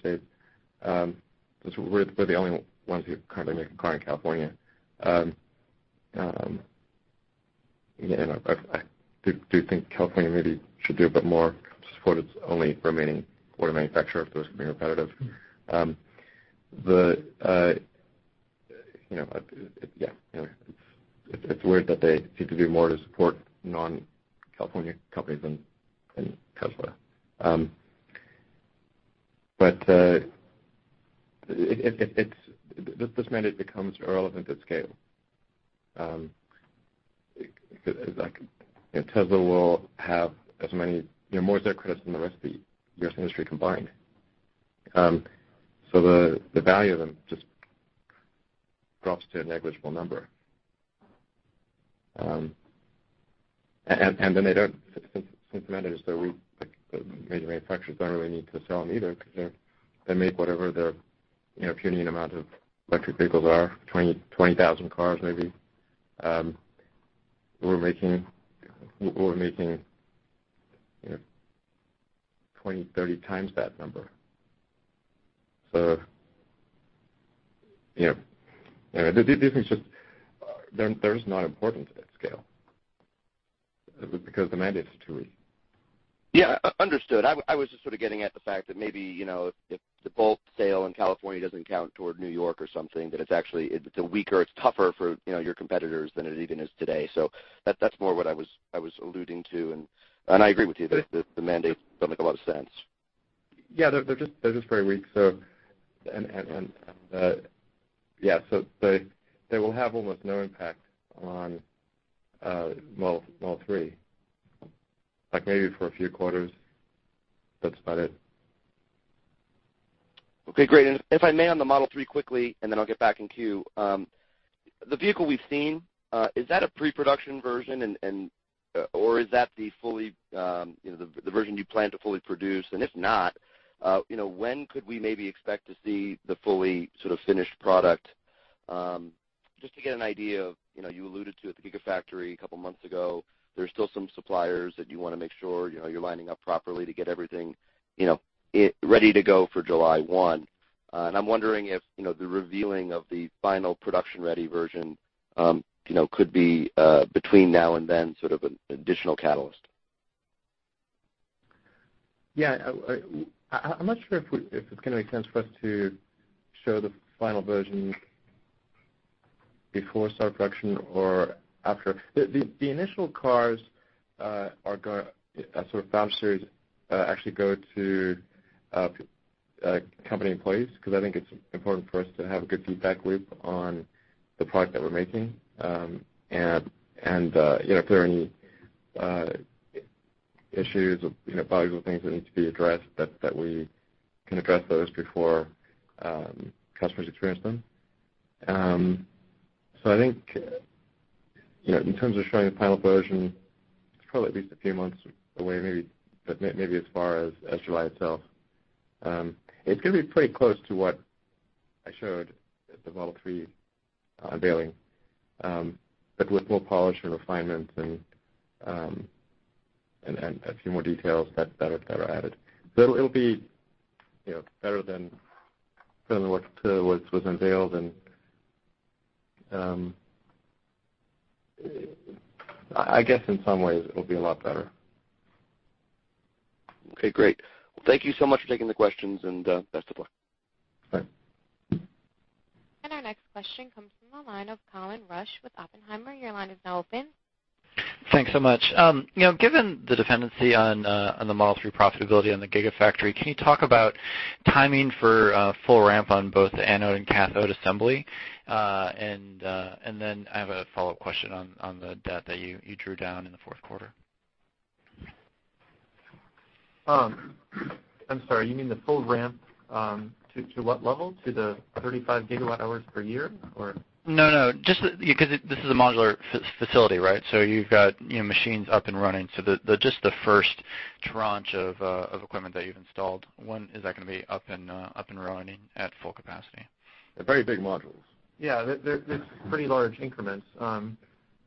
states, we're the only ones who currently make a car in California. I do think California maybe should do a bit more to support its only remaining auto manufacturer if those can be competitive. The, you know, yeah, you know, it's weird that they seem to do more to support non-California companies than Tesla. It's this mandate becomes irrelevant at scale, because like, you know, Tesla will have as many, you know, more ZEV credits than the rest of the U.S. industry combined. The value of them just drops to a negligible number. Since the mandate is so weak, like the major manufacturers don't really need to sell them either because they make whatever the, you know, puny amount of electric vehicles are, 20,000 cars maybe. We're making, you know, 20x-30x that number. You know, this is just, they're just not important to that scale because the mandate is too weak. Yeah, understood. I was just sort of getting at the fact that maybe, you know, if the Bolt sale in California doesn't count toward New York or something, that it's actually it's a weaker, it's tougher for, you know, your competitors than it even is today. That's more what I was alluding to, and I agree with you that the mandate doesn't make a lot of sense. Yeah, they're just very weak. Yeah, they will have almost no impact on Model 3, like maybe for a few quarters, that's about it. Okay, great. If I may on the Model 3 quickly, then I'll get back in queue. The vehicle we've seen, is that a pre-production version or is that the fully, you know, the version you plan to fully produce? If not, you know, when could we maybe expect to see the fully sort of finished product? Just to get an idea of, you know, you alluded to at the Gigafactory a couple months ago, there's still some suppliers that you wanna make sure, you know, you're lining up properly to get everything, ready to go for July 1. I'm wondering if, you know, the revealing of the final production-ready version, you know, could be between now and then sort of an additional catalyst. I'm not sure if it's going to make sense for us to show the final version before we start production or after. The initial cars are going to sort of Founder Series actually go to company employees because I think it's important for us to have a good feedback loop on the product that we're making. And, you know, if there are any issues or, you know, bugs or things that need to be addressed that we can address those before customers experience them. I think, you know, in terms of showing the final version, it's probably at least a few months away, maybe as far as July itself. It's gonna be pretty close to what I showed at the Model 3 unveiling, but with more polish and refinements and a few more details that are added. It'll be, you know, better than what was unveiled and I guess in some ways it'll be a lot better. Okay, great. Thank you so much for taking the questions, and best of luck. Thanks. Our next question comes from the line of Colin Rusch with Oppenheimer. Thanks so much. You know, given the dependency on the Model 3 profitability on the Gigafactory, can you talk about timing for full ramp on both the anode and cathode assembly? Then I have a follow-up question on the debt that you drew down in the fourth quarter. I'm sorry, you mean the full ramp, to what level? To the 35 GWh per year, or? No, no. This is a modular facility, right? You've got, you know, machines up and running. Just the first tranche of equipment that you've installed, when is that gonna be up and up and running at full capacity? They're very big modules. Yeah. They're pretty large increments.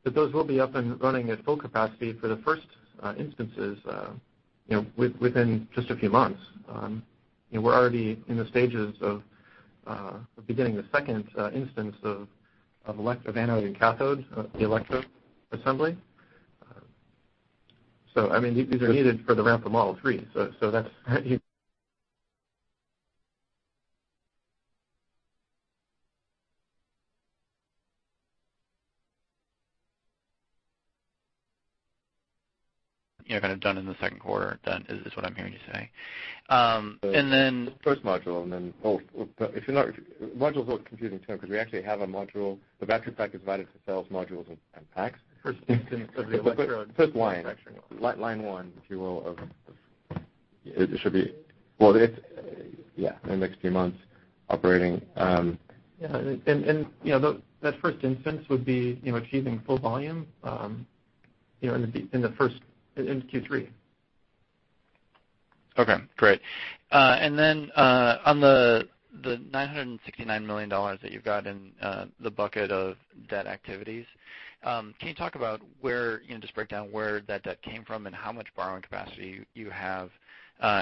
Those will be up and running at full capacity for the first instances, you know, within just a few months. We're already in the stages of beginning the second instance of anode and cathode, the electrode assembly. I mean, these are needed for the ramp of Model 3. You know, kind of done in the second quarter then is what I'm hearing you say. First module. Module's a confusing term because we actually have a module. The battery pack is divided to cells, modules, and packs. First instance of the electrode- First line.... production. Line one, if you will, of It, it should be, well, it's, yeah, in the next few months operating. Yeah, and, you know, that first instance would be, you know, achieving full volume, you know, in the first in Q3. Okay, great. On the $969 million that you've got in the bucket of debt activities, can you talk about where, you know, just break down where that debt came from and how much borrowing capacity you have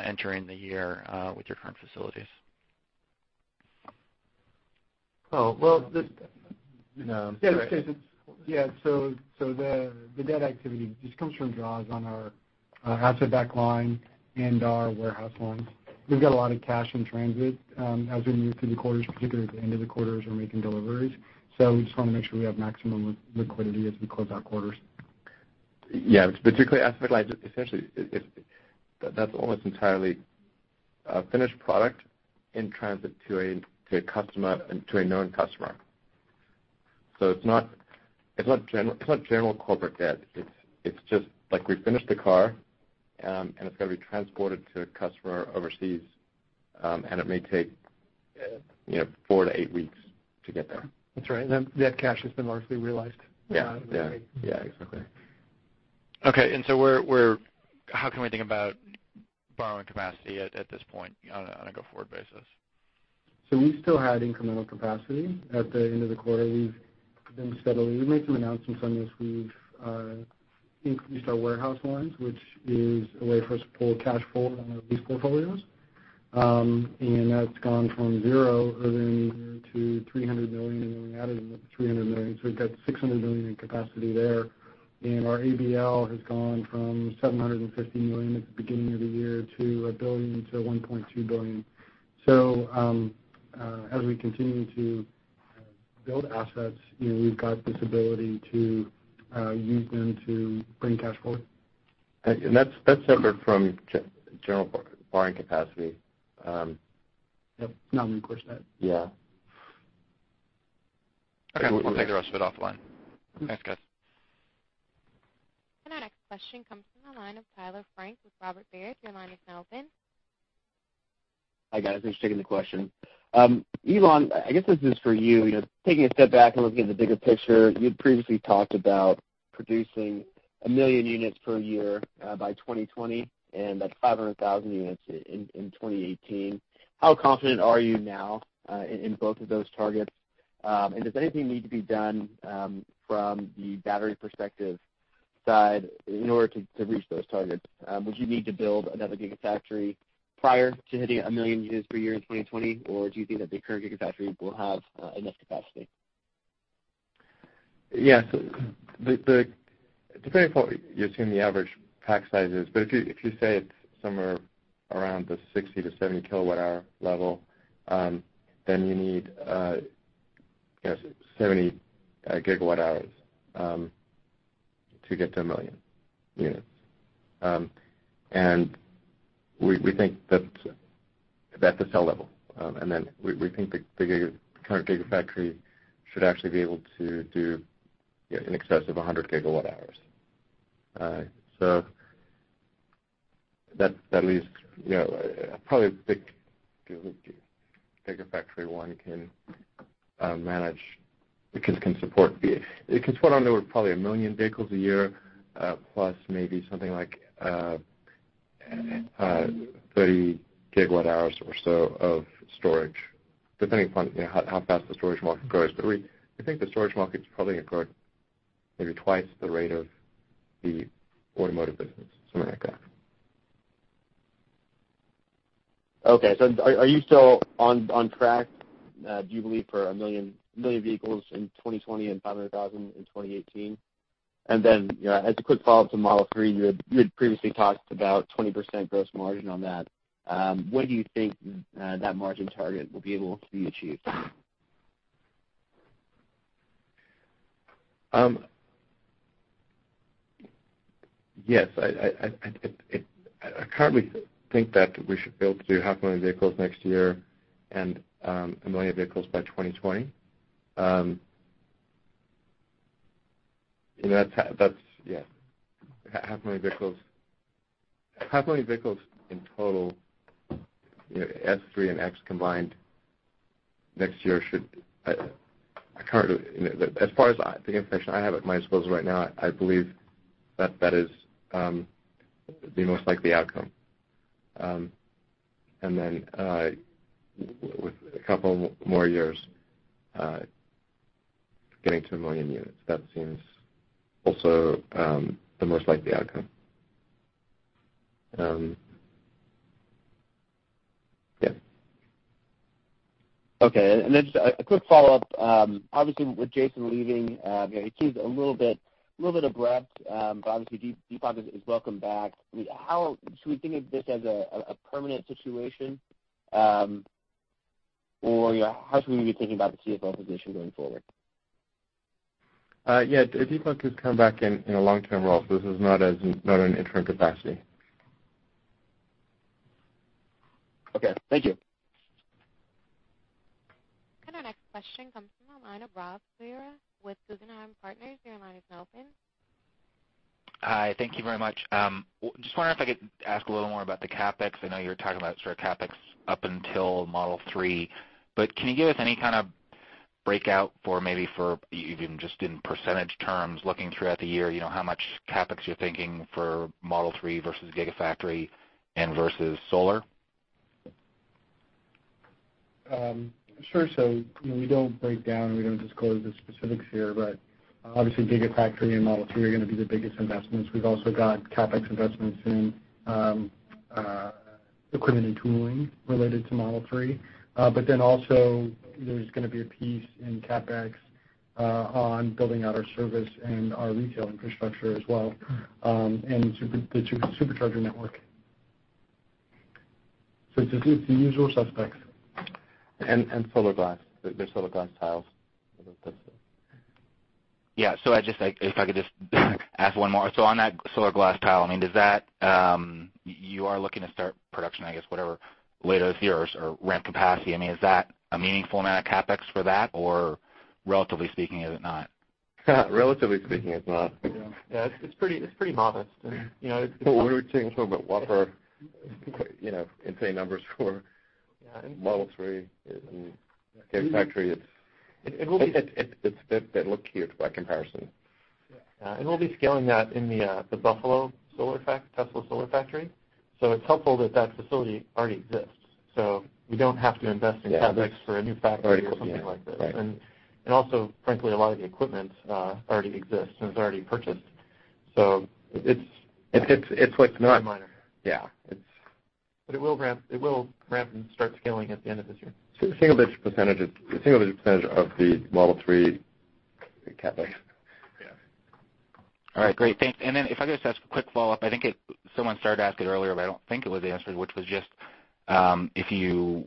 entering the year with your current facilities? Oh, well. No. The debt activity just comes from draws on our asset-backed line and our warehouse lines. We've got a lot of cash in transit as we move through the quarters, particularly at the end of the quarters we're making deliveries. We just wanna make sure we have maximum liquidity as we close our quarters. It's particularly asset light, essentially it, that's almost entirely a finished product in transit to a customer, to a known customer. It's not general corporate debt. It's just like we finished the car, and it's gonna be transported to a customer overseas, and it may take, you know, four to eight weeks to get there. That's right, that cash has been largely realized. Yeah. Yeah. Yeah, exactly. Okay, where How can we think about borrowing capacity at this point on a go-forward basis? We still had incremental capacity at the end of the quarter. We made some announcements on this. We've increased our warehouse lines, which is a way for us to pull cash forward on our lease portfolios. That's gone from $0 earlier in the year to $300 million, and then we added another $300 million. We've got $600 million in capacity there. Our ABL has gone from $750 million at the beginning of the year to $1 billion-$1.2 billion. As we continue to build assets, you know, we've got this ability to use them to bring cash forward. That's separate from general borrowing capacity. Yep, non-recourse debt. Yeah. Okay. We'll take the rest of it offline. Thanks, guys. Our next question comes from the line of Tyler Frank with Robert Baird. Your line is now open. Hi, guys. Thanks for taking the question. Elon, I guess this is for you. You know, taking a step back and looking at the bigger picture, you'd previously talked about producing 1 million units per year by 2020 and, like, 500,000 units in 2018. How confident are you now in both of those targets? Does anything need to be done from the battery perspective side in order to reach those targets? Would you need to build another Gigafactory prior to hitting 1 million units per year in 2020 or do you think that the current Gigafactory will have enough capacity? Yeah. Depending upon you're seeing the average pack sizes, but if you say it's somewhere around the 60 kWh-70 kWh level, then you need, I guess 70 GWh, to get to 1 million units. We think that's the cell level. Then we think the Gigafactory should actually be able to do, yeah, in excess of 100 GWh. That leaves, you know, probably Gigafactory 1 can manage, it can support on there probably 1 million vehicles a year, plus maybe something like 30 GWh or so of storage, depending upon, you know, how fast the storage market grows. We think the storage market's probably going to grow maybe twice the rate of the automotive business, something like that. Okay. Are you still on track, do you believe for 1 million vehicles in 2020 and 500,000 in 2018? You know, as a quick follow-up to Model 3, you had previously talked about 20% gross margin on that. When do you think that margin target will be able to be achieved? Yes. I currently think that we should be able to do 500,000 vehicles next year and 1 million vehicles by 2020. You know, that's that's, yeah. 500,000 vehicles. 500,000 vehicles in total, you know, S, 3, and X combined next year should, I can't really, you know, as far as I, the information I have at my disposal right now, I believe that that is the most likely outcome. With a couple more years, getting to 1 million units, that seems also the most likely outcome. Yeah. Okay. Just a quick follow-up. Obviously with Jason leaving, you know, it leaves a little bit of breadth, but obviously Deepak is welcome back. I mean, how should we think of this as a permanent situation? You know, how should we be thinking about the CFO position going forward? Yeah, Deepak has come back in a long-term role, so this is not an interim capacity. Okay, thank you. Our next question comes from the line of Rob Cihra with Guggenheim Partners. Your line is now open. Hi, thank you very much. Just wonder if I could ask a little more about the CapEx. I know you were talking about sort of CapEx up until Model 3, but can you give us any kind of breakout for maybe for even just in percentage terms looking throughout the year, you know, how much CapEx you're thinking for Model 3 versus Gigafactory and versus solar? Sure. You know, we don't break down, we don't disclose the specifics here, but obviously Gigafactory and Model 3 are gonna be the biggest investments. We've also got CapEx investments in equipment and tooling related to Model 3. Also there's gonna be a piece in CapEx on building out our service and our retail infrastructure as well, and the Supercharger network. It's the usual suspects. Solar Roof, the Solar Roof tiles. Yeah. I just like, ask one more. On that Solar Roof tile, I mean, you are looking to start production, I guess, whatever later this year or ramp capacity. I mean, is that a meaningful amount of CapEx for that? Or relatively speaking, is it not? Relatively speaking, it's not. Yeah. Yeah, it's pretty modest and, you know. Well, we were talking sort about whopper, you know, insane numbers for- Yeah, Model 3 and Gigafactory. It will be. It's they're little cute by comparison. Yeah. We'll be scaling that in the Tesla Solar Factory. It's helpful that that facility already exists. We don't have to invest in CapEx. Yeah, that's- For a new factory or something like this. Right. Also, frankly, a lot of the equipment already exists and is already purchased. It's like- It's pretty minor. Yeah. It will ramp and start scaling at the end of this year. Single-digit percentage of the Model 3 CapEx. Yeah. All right, great. Thank you. If I could just ask a quick follow-up. I think someone started to ask it earlier, but I don't think it was answered, which was just, if you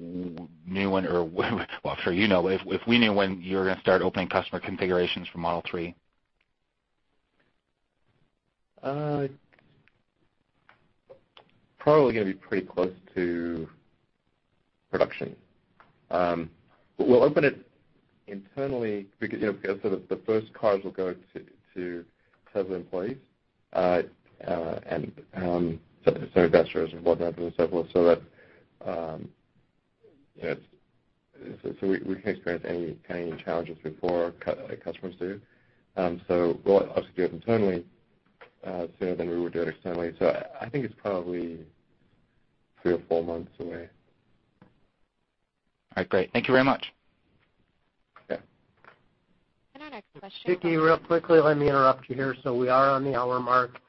knew when, I'm sure you know. If we knew when you're gonna start opening customer configurations for Model 3. Probably gonna be pretty close to production. We'll open it internally because, you know, so the first cars will go to Tesla employees and so investors and whatnot and so forth, so that, you know, so we can experience any challenges before customers do. We'll obviously do it internally sooner than we would do it externally. I think it's probably three or four months away. All right, great. Thank you very much. Yeah. Our next question- Vicky, real quickly, let me interrupt you here. We are on the hour mark.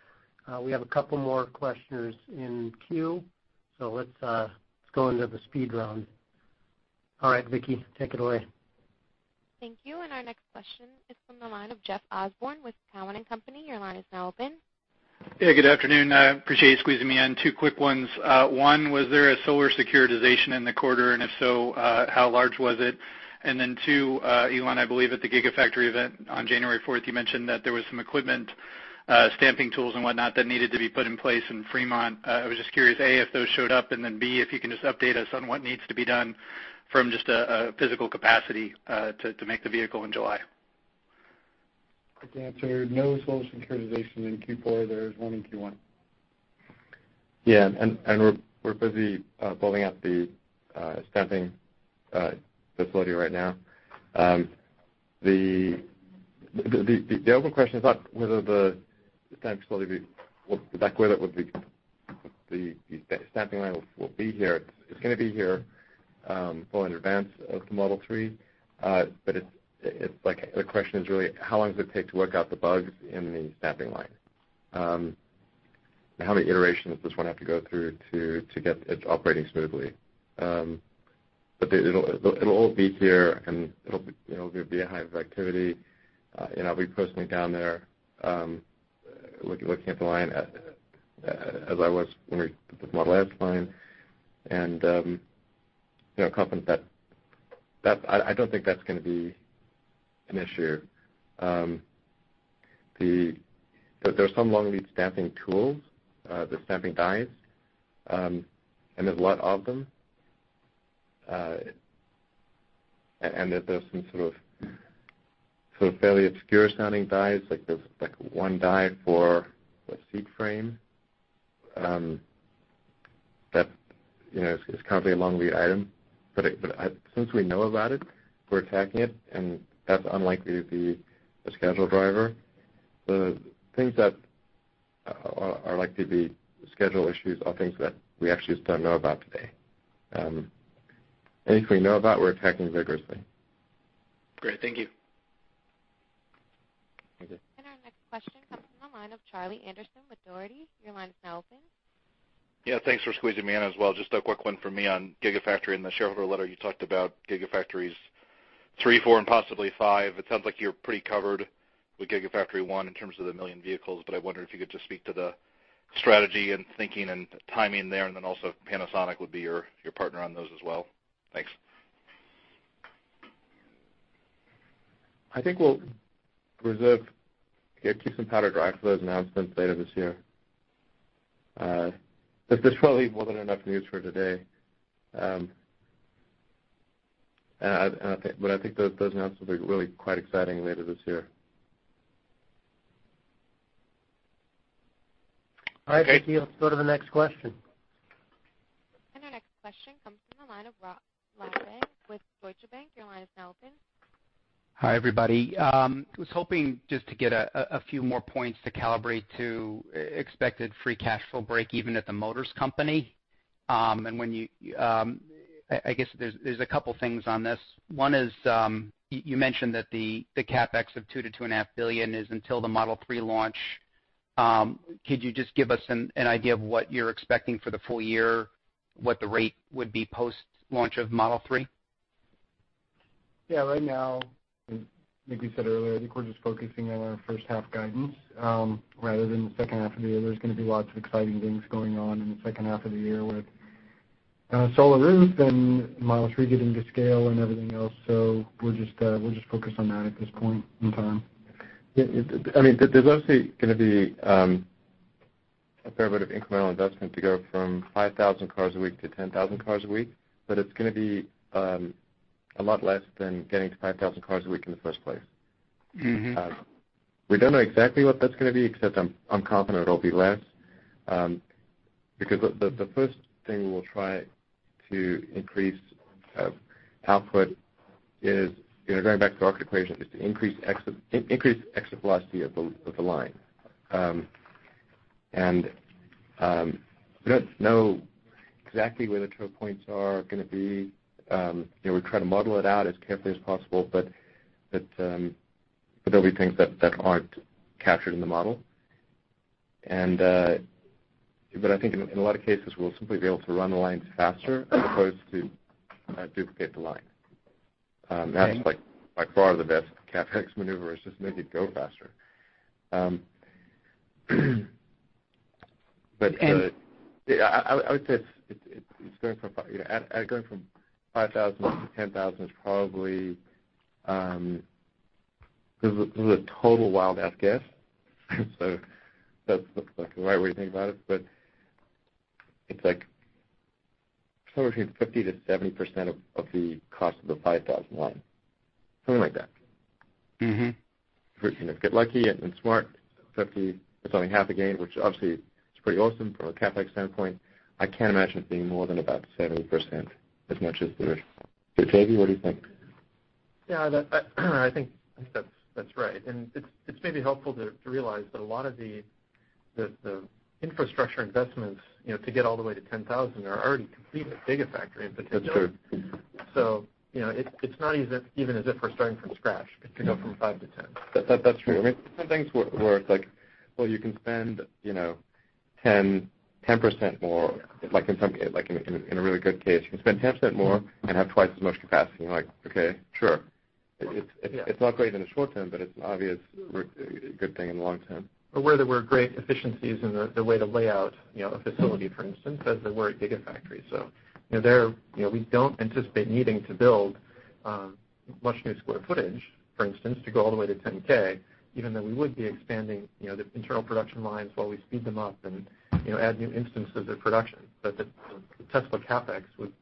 We have a couple more questioners in queue, let's go into the speed round. All right, Vicky, take it away. Thank you. Our next question is from the line of Jeff Osborne with Cowen and Company. Your line is now open. Yeah, good afternoon. Appreciate you squeezing me in. Two quick ones. One, was there a solar securitization in the quarter? If so, how large was it? Two, Elon, I believe at the Gigafactory event on January 4th, you mentioned that there was some equipment, stamping tools and whatnot that needed to be put in place in Fremont. I was just curious, A, if those showed up, B, if you can just update us on what needs to be done from just a physical capacity to make the vehicle in July. Quick answer, no solar securitization in Q4. There is one in Q1. We're busy building out the stamping facility right now. The open question is not whether the stamping line will be here. It's gonna be here, well in advance of the Model 3. It's like, the question is really how long does it take to work out the bugs in the stamping line? How many iterations does this one have to go through to get it operating smoothly? It'll all be here and it'll be, you know, there'll be a high activity. I'll be personally down there looking at the line as I was when we did the Model S line. You know, confident that I don't think that's gonna be an issue. There are some long lead stamping tools, the stamping dies, and there's a lot of them. That there's some sort of fairly obscure sounding dies, like there's one die for a seat frame, that, you know, is currently a long lead item. Since we know about it, we're attacking it, that's unlikely to be a schedule driver. The things that are likely to be schedule issues are things that we actually just don't know about today. Anything we know about, we're attacking vigorously. Great. Thank you. Okay. Our next question comes from the line of Charlie Anderson with Dougherty. Your line is now open. Yeah, thanks for squeezing me in as well. Just a quick one from me on Gigafactory. In the shareholder letter, you talked about Gigafactories 3, 4, and possibly 5. It sounds like you're pretty covered with Gigafactory 1 in terms of the million vehicles, I wonder if you could just speak to the strategy and thinking and timing there. Also if Panasonic would be your partner on those as well. Thanks. I think we'll reserve, yeah, keep some powder dry for those announcements later this year. There's probably more than enough news for today. I think those announcements will be really quite exciting later this year. Okay. All right, thank you. Let's go to the next question. Our next question comes from the line of Rod Lache with Deutsche Bank. Your line is now open. Hi, everybody. Was hoping just to get a few more points to calibrate to expected free cash flow break even at the Motors Company. And when you, I guess there's a couple things on this. One is, you mentioned that the CapEx of $2 billion-$2.5 billion is until the Model 3 launch. Could you just give us an idea of what you're expecting for the full year, what the rate would be post-launch of Model 3? Yeah, right now, like we said earlier, I think we're just focusing on our first half guidance, rather than the second half of the year. There's gonna be lots of exciting things going on in the second half of the year with Solar Roof and Model 3 getting to scale and everything else. We're just focused on that at this point in time. I mean, there's obviously gonna be a fair bit of incremental investment to go from 5,000 cars a week to 10,000 cars a week, but it's gonna be a lot less than getting to 5,000 cars a week in the first place. We don't know exactly what that's gonna be, except I'm confident it'll be less. Because the first thing we'll try to increase output is, you know, going back to rocket equation, is to increase exit velocity of the line. We don't know exactly where the choke points are gonna be. You know, we try to model it out as carefully as possible, but there'll be things that aren't captured in the model. I think in a lot of cases, we'll simply be able to run the lines faster as opposed to duplicate the line. That's like, by far the best CapEx maneuver is just make it go faster. And- Yeah, I would say it's going from, you know, going from 5,000 to 10,000 is probably. This is a total wild ass guess, so that's the right way to think about it. It's like somewhere between 50%-70% of the cost of the 5,000 line, something like that. If we, you know, get lucky and smart, 50%, it's only half the gain, which obviously is pretty awesome from a CapEx standpoint. I can't imagine it being more than about 70% as much as the original. JB, what do you think? Yeah, I think that's right. It's maybe helpful to realize that a lot of the infrastructure investments, you know, to get all the way to 10,000 are already complete with Gigafactory in particular. That's true. You know, it's not as if, even as if we're starting from scratch to go from 5,000 to 10,000. That's true. I mean, some things work like, well, you can spend, you know, 10% more, like in a really good case, you can spend 10% more and have twice as much capacity. You're like, "Okay, sure." It's not great in the short term, but it's an obvious a good thing in the long term. Where there were great efficiencies in the way to lay out, you know, a facility, for instance, as there were at Gigafactory. You know, there, you know, we don't anticipate needing to build much new square footage, for instance, to go all the way to 10,000, even though we would be expanding, you know, the internal production lines while we speed them up and, you know, add new instances of production. The Tesla CapEx would,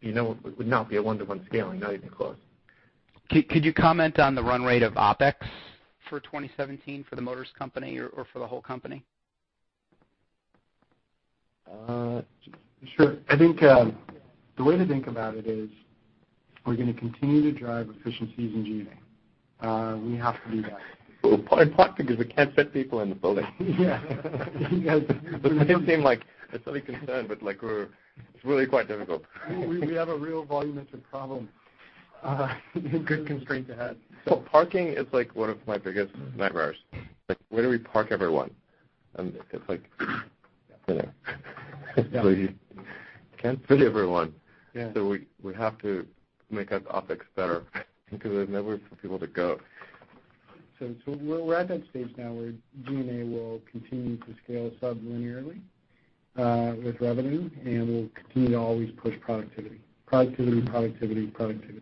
you know, not be a one-to-one scaling, not even close. Could you comment on the run rate of OpEx for 2017 for the Motors company or for the whole company? Sure. I think, the way to think about it is we're gonna continue to drive efficiencies in G&A. We have to do that. Well, in part because we can't fit people in the building. Yeah. It may seem like a silly concern, but like It's really quite difficult. We have a real volume issue problem. Good constraint to have. Parking is like one of my biggest nightmares. Like, where do we park everyone? It's like, you know, we can't fit everyone. Yeah. We have to make our OpEx better because there's nowhere for people to go. We're at that stage now where G&A will continue to scale sublinearly with revenue, and we'll continue to always push productivity. Productivity, productivity.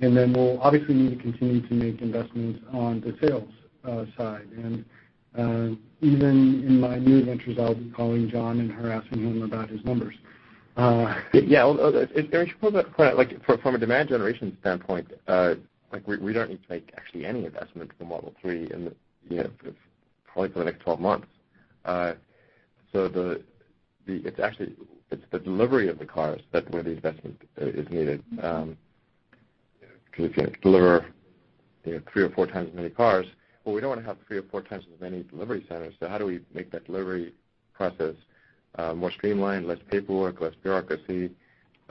Then we'll obviously need to continue to make investments on the sales side. Even in my new ventures, I'll be calling Jon and harassing him about his numbers. Yeah, well, I should probably point out, like from a demand generation standpoint, like we don't need to make actually any investment for Model 3 in the, you know, probably for the next 12 months. It's actually the delivery of the cars that where the investment is needed. You know, 'cause you can deliver, you know, 3x or 4x as many cars. We don't wanna have 3x or 4x as many delivery centers. How do we make that delivery process more streamlined, less paperwork, less bureaucracy, you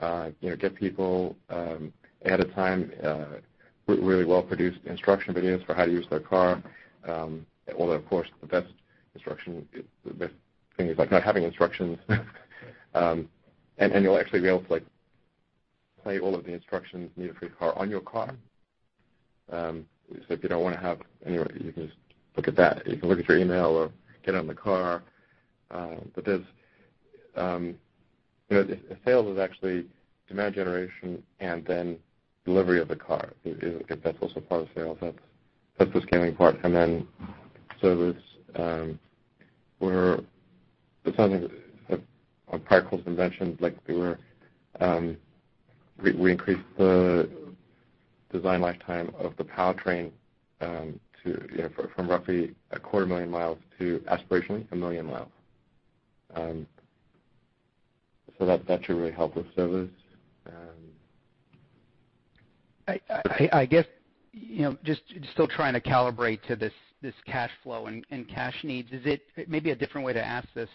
know, get people ahead of time with really well-produced instruction videos for how to use their car. Although, of course, the best instruction would be the best thing is like not having instructions. You'll actually be able to like play all of the instructions needed for your car on your car. If you don't wanna have anywhere, you can just look at that. You can look at your email or get it on the car. There's, you know, the sales is actually demand generation and then delivery of the car. If that's also part of sales, that's the scaling part. Service, where there's something that a practical invention like we were, we increased the design lifetime of the powertrain, to, you know, from roughly 250,000 mi to aspirationally 1 million miles. That should really help with service. I guess, you know, just still trying to calibrate to this cash flow and cash needs. Maybe a different way to ask this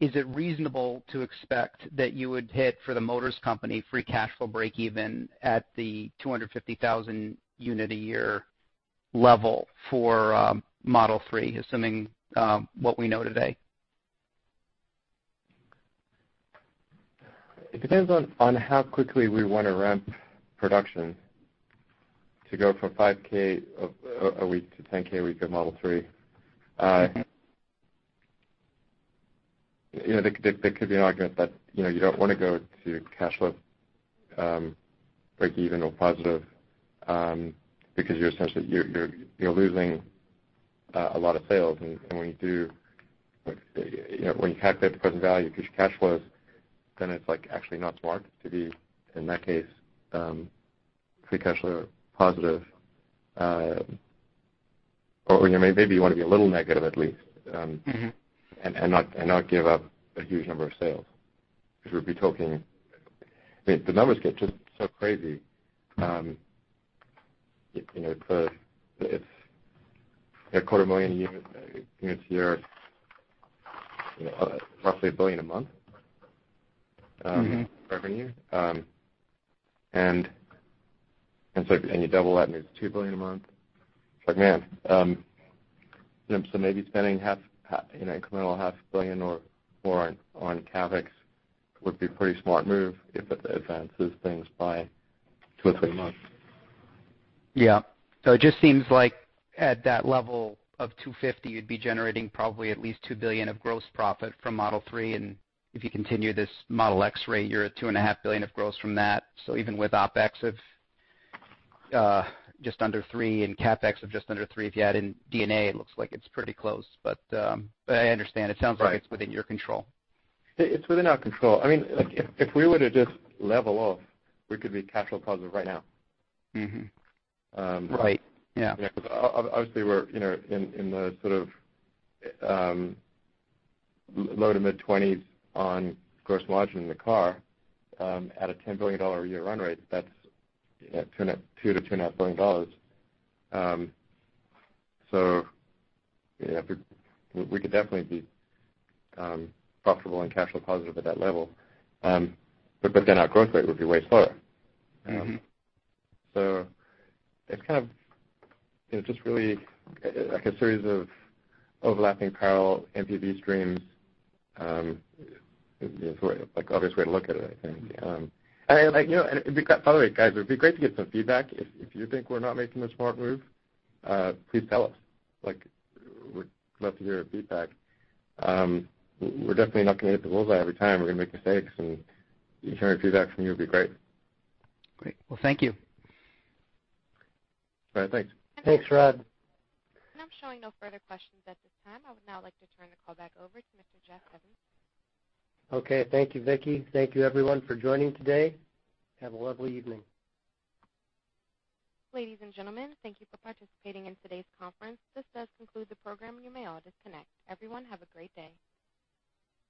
is it reasonable to expect that you would hit for the Motors Company free cash flow breakeven at the 250,000 unit a year level for Model 3, assuming what we know today? It depends on how quickly we wanna ramp production to go from 5,000 a week to 10,000 a week of Model 3. You know, there could be an argument that, you know, you don't wanna go to cash flow breakeven or positive, because you're essentially, you're losing a lot of sales. When you do, like, you know, when you calculate the present value of future cash flows, then it's like actually not smart to be, in that case, free cash flow positive. You know, maybe you wanna be a little negative at least. Not give up a huge number of sales. We'd be talking I mean, the numbers get just so crazy. You know, for if a 250,000 units a year, you know, roughly $1 billion a month revenue. You double that and it's $2 billion a month. It's like, man, maybe spending incremental $500 million or more on CapEx would be a pretty smart move if it advances things by two or three months. Yeah. It just seems like at that level of 250,000 units, you'd be generating probably at least $2 billion of gross profit from Model 3. If you continue this Model X rate, you're at $2.5 billion of gross from that. Even with OpEx of just under $3 billion and CapEx of just under $3 billion, if you add in D&A, it looks like it's pretty close. I understand. Right. It sounds like it's within your control. It's within our control. I mean, like if we were to just level off, we could be cash flow positive right now. Right. Yeah. Yeah. Obviously, we're, you know, in the sort of, low to mid-20% on gross margin in the car. At a $10 billion a year run rate, that's, you know, $2 billion-$2.5 billion. You know, we could definitely be profitable and cash flow positive at that level. Then our growth rate would be way slower. It's kind of, you know, just really like a series of overlapping parallel NPV streams, you know, like obvious way to look at it, I think. Like, you know, by the way, guys, it'd be great to get some feedback. If, if you think we're not making the smart move, please tell us. Like, we'd love to hear feedback. We're definitely not gonna hit the bullseye every time. We're gonna make mistakes, and any kind of feedback from you would be great. Great. Well, thank you. All right. Thanks. Thanks, Rod. I'm showing no further questions at this time. I would now like to turn the call back over to Mr. Jeff Evanson. Okay. Thank you, Vicky. Thank you everyone for joining today. Have a lovely evening. Ladies and gentlemen, thank you for participating in today's conference. This does conclude the program. You may all disconnect. Everyone, have a great day.